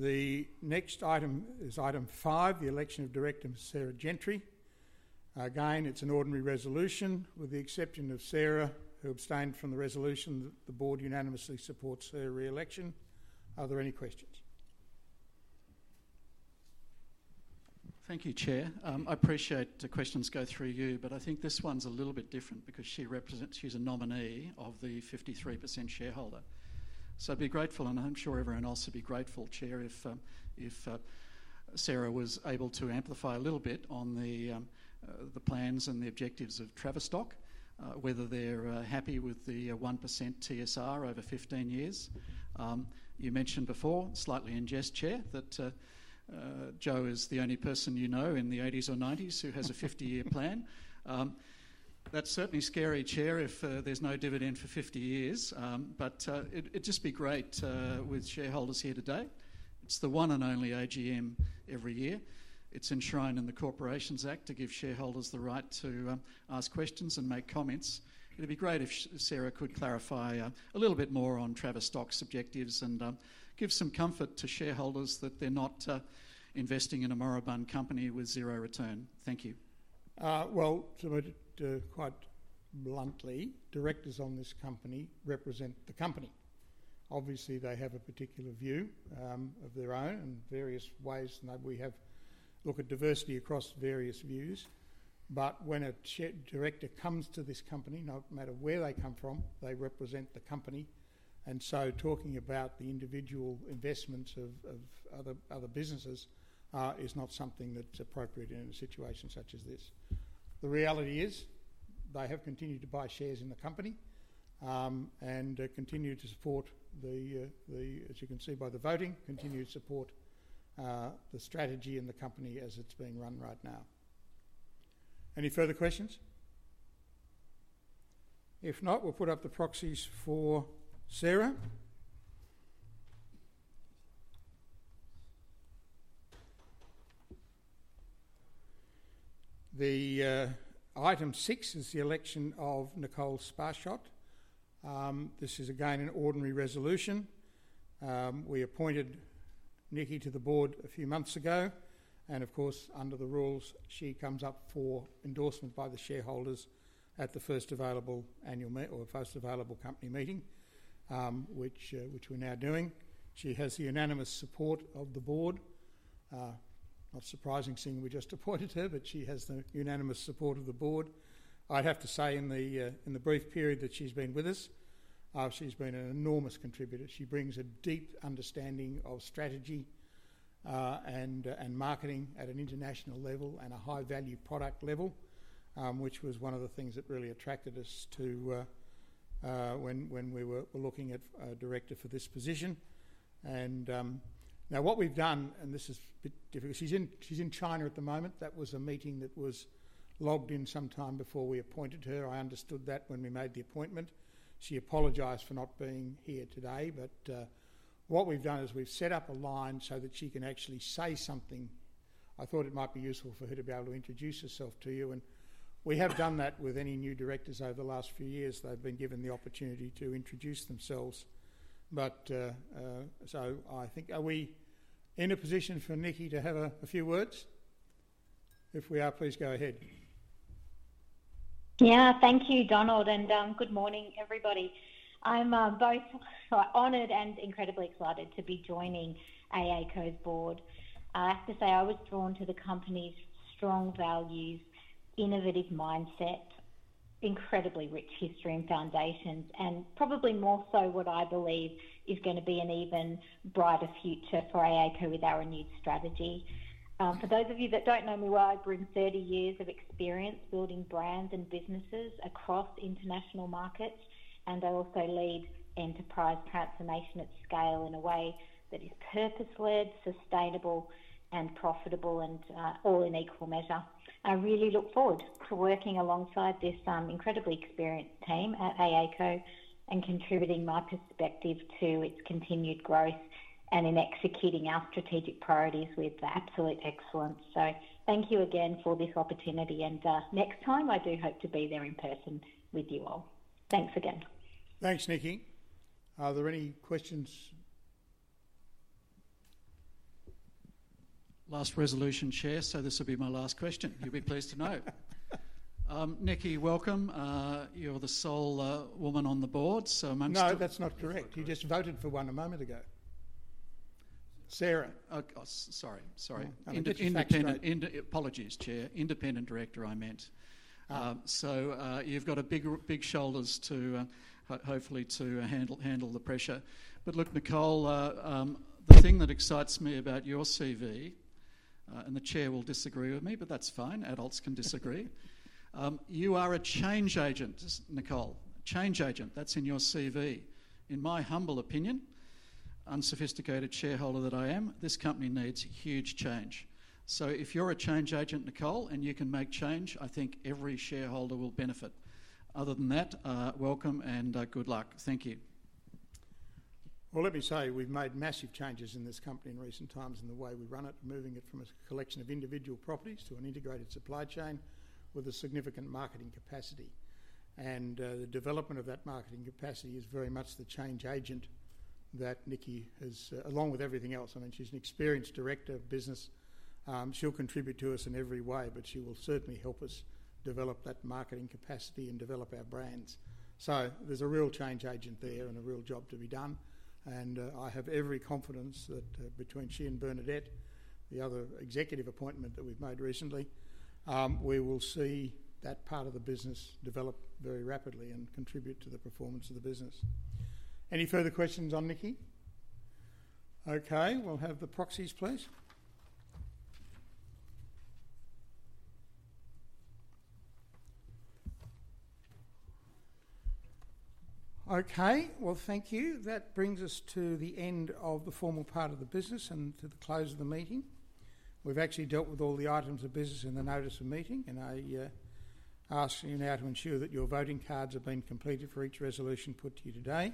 The next item is item five, the election of director Sarah Gentry. Again, it's an ordinary resolution with the exception of Sarah, who abstained from the resolution. The board unanimously supports her reelection. Are there any questions? Thank you, Chair. I appreciate the questions go through you, but I think this one's a little bit different because she represents, she's a nominee of the 53% shareholder. I'd be grateful, and I'm sure everyone else would be grateful, Chair, if Sarah was able to amplify a little bit on the plans and the objectives of Travis Stock, whether they're happy with the 1% TSR over 15 years. You mentioned before, slightly in jest, Chair, that Joe is the only person you know in the 1980s or 1990s who has a 50-year plan. That's certainly scary, Chair, if there's no dividend for 50 years, but it'd just be great with shareholders here today. It's the one and only AGM every year. It's enshrined in the Corporations Act to give shareholders the right to ask questions and make comments. It'd be great if Sarah could clarify a little bit more on Travis Stock's objectives and give some comfort to shareholders that they're not investing in a moribund company with zero return. Thank you. To make it quite bluntly, directors on this company represent the company. Obviously, they have a particular view of their own in various ways, and we have looked at diversity across various views. When a director comes to this company, no matter where they come from, they represent the company. Talking about the individual investments of other businesses is not something that's appropriate in a situation such as this. The reality is they have continued to buy shares in the company and continue to support the, as you can see by the voting, continue to support the strategy in the company as it's being run right now. Any further questions? If not, we'll put up the proxies for Sarah. Item six is the election of Nicole Sparshot. This is again an ordinary resolution. We appointed Nikki to the board a few months ago, and of course, under the rules, she comes up for endorsement by the shareholders at the first available annual meeting or first available company meeting, which we're now doing. She has the unanimous support of the board. Not surprising seeing we just appointed her, but she has the unanimous support of the board. I'd have to say in the brief period that she's been with us, she's been an enormous contributor. She brings a deep understanding of strategy and marketing at an international level and a high-value product level, which was one of the things that really attracted us to when we were looking at a director for this position. What we've done, and this is a bit difficult, she's in China at the moment. That was a meeting that was logged in sometime before we appointed her. I understood that when we made the appointment. She apologized for not being here today, but what we've done is we've set up a line so that she can actually say something. I thought it might be useful for her to be able to introduce herself to you. We have done that with any new directors over the last few years. They've been given the opportunity to introduce themselves. I think, are we in a position for Nikki to have a few words? If we are, please go ahead. Thank you, Donald, and good morning, everybody. I'm both honored and incredibly excited to be joining AACo's board. I have to say I was drawn to the company's strong values, innovative mindset, incredibly rich history and foundations, and probably more so what I believe is going to be an even brighter future for AACo with our renewed strategy. For those of you that don't know me, I bring 30 years of experience building brands and businesses across international markets, and I also lead enterprise transformation at scale in a way that is purpose-led, sustainable, and profitable, all in equal measure. I really look forward to working alongside this incredibly experienced team at AACo and contributing my perspective to its continued growth and in executing our strategic priorities with absolute excellence. Thank you again for this opportunity, and next time I do hope to be there in person with you all. Thanks again. Thanks, Nikki. Are there any questions? Last resolution, Chair, so this will be my last question. You'll be pleased to know. Nikki, welcome. You're the sole woman on the board, so I'm... No, that's not correct. You just voted for one a moment ago. Sorry, apologies, Chair. Independent Director, I meant. You've got big shoulders to hopefully handle the pressure. Nicole, the thing that excites me about your CV, and the Chair will disagree with me, but that's fine. Adults can disagree. You are a change agent, Nicole. Change agent, that's in your CV. In my humble opinion, unsophisticated shareholder that I am, this company needs huge change. If you're a change agent, Nicole, and you can make change, I think every shareholder will benefit. Other than that, welcome and good luck. Thank you. Let me say we've made massive changes in this company in recent times in the way we run it, moving it from a collection of individual properties to an integrated supply chain with a significant marketing capacity. The development of that marketing capacity is very much the change agent that Nikki has, along with everything else. I mean, she's an experienced director of business. She'll contribute to us in every way, but she will certainly help us develop that marketing capacity and develop our brands. There's a real change agent there and a real job to be done. I have every confidence that between she and Bernadette, the other executive appointment that we've made recently, we will see that part of the business develop very rapidly and contribute to the performance of the business. Any further questions on Nikki? Okay, we'll have the proxies, please. Thank you. That brings us to the end of the formal part of the business and to the close of the meeting. We've actually dealt with all the items of business in the notice of meeting, and I ask you now to ensure that your voting cards have been completed for each resolution put to you today.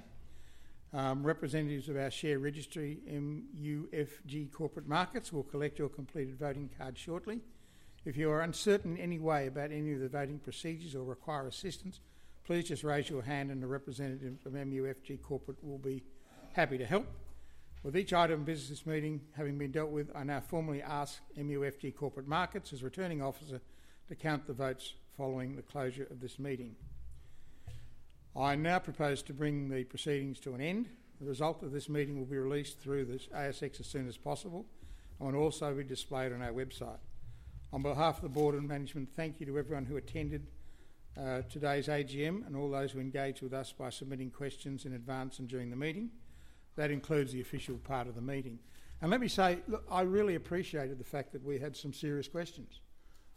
Representatives of our share registry, MUFG Corporate Markets, will collect your completed voting cards shortly. If you are uncertain in any way about any of the voting procedures or require assistance, please just raise your hand and a representative of MUFG Corporate will be happy to help. With each item of business meeting having been dealt with, I now formally ask MUFG Corporate Markets' returning officer to count the votes following the closure of this meeting. I now propose to bring the proceedings to an end. The result of this meeting will be released through the ASX as soon as possible and will also be displayed on our website. On behalf of the board and management, thank you to everyone who attended today's AGM and all those who engaged with us by submitting questions in advance and during the meeting. That includes the official part of the meeting. Let me say, look, I really appreciated the fact that we had some serious questions,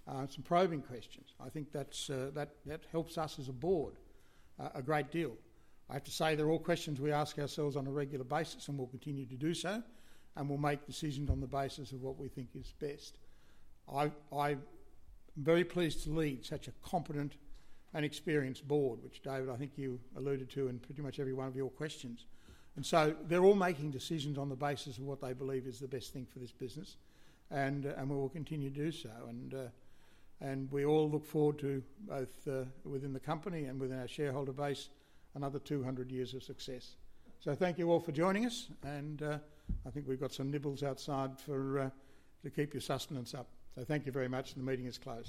some probing questions. I think that helps us as a board a great deal. I have to say they're all questions we ask ourselves on a regular basis and will continue to do so, and we'll make decisions on the basis of what we think is best. I'm very pleased to lead such a competent and experienced Board, which David, I think you alluded to in pretty much every one of your questions. They're all making decisions on the basis of what they believe is the best thing for this business, and we will continue to do so. We all look forward to, both within the company and within our shareholder base, another 200 years of success. Thank you all for joining us. I think we've got some nibbles outside to keep your sustenance up. Thank you very much, and the meeting is closed.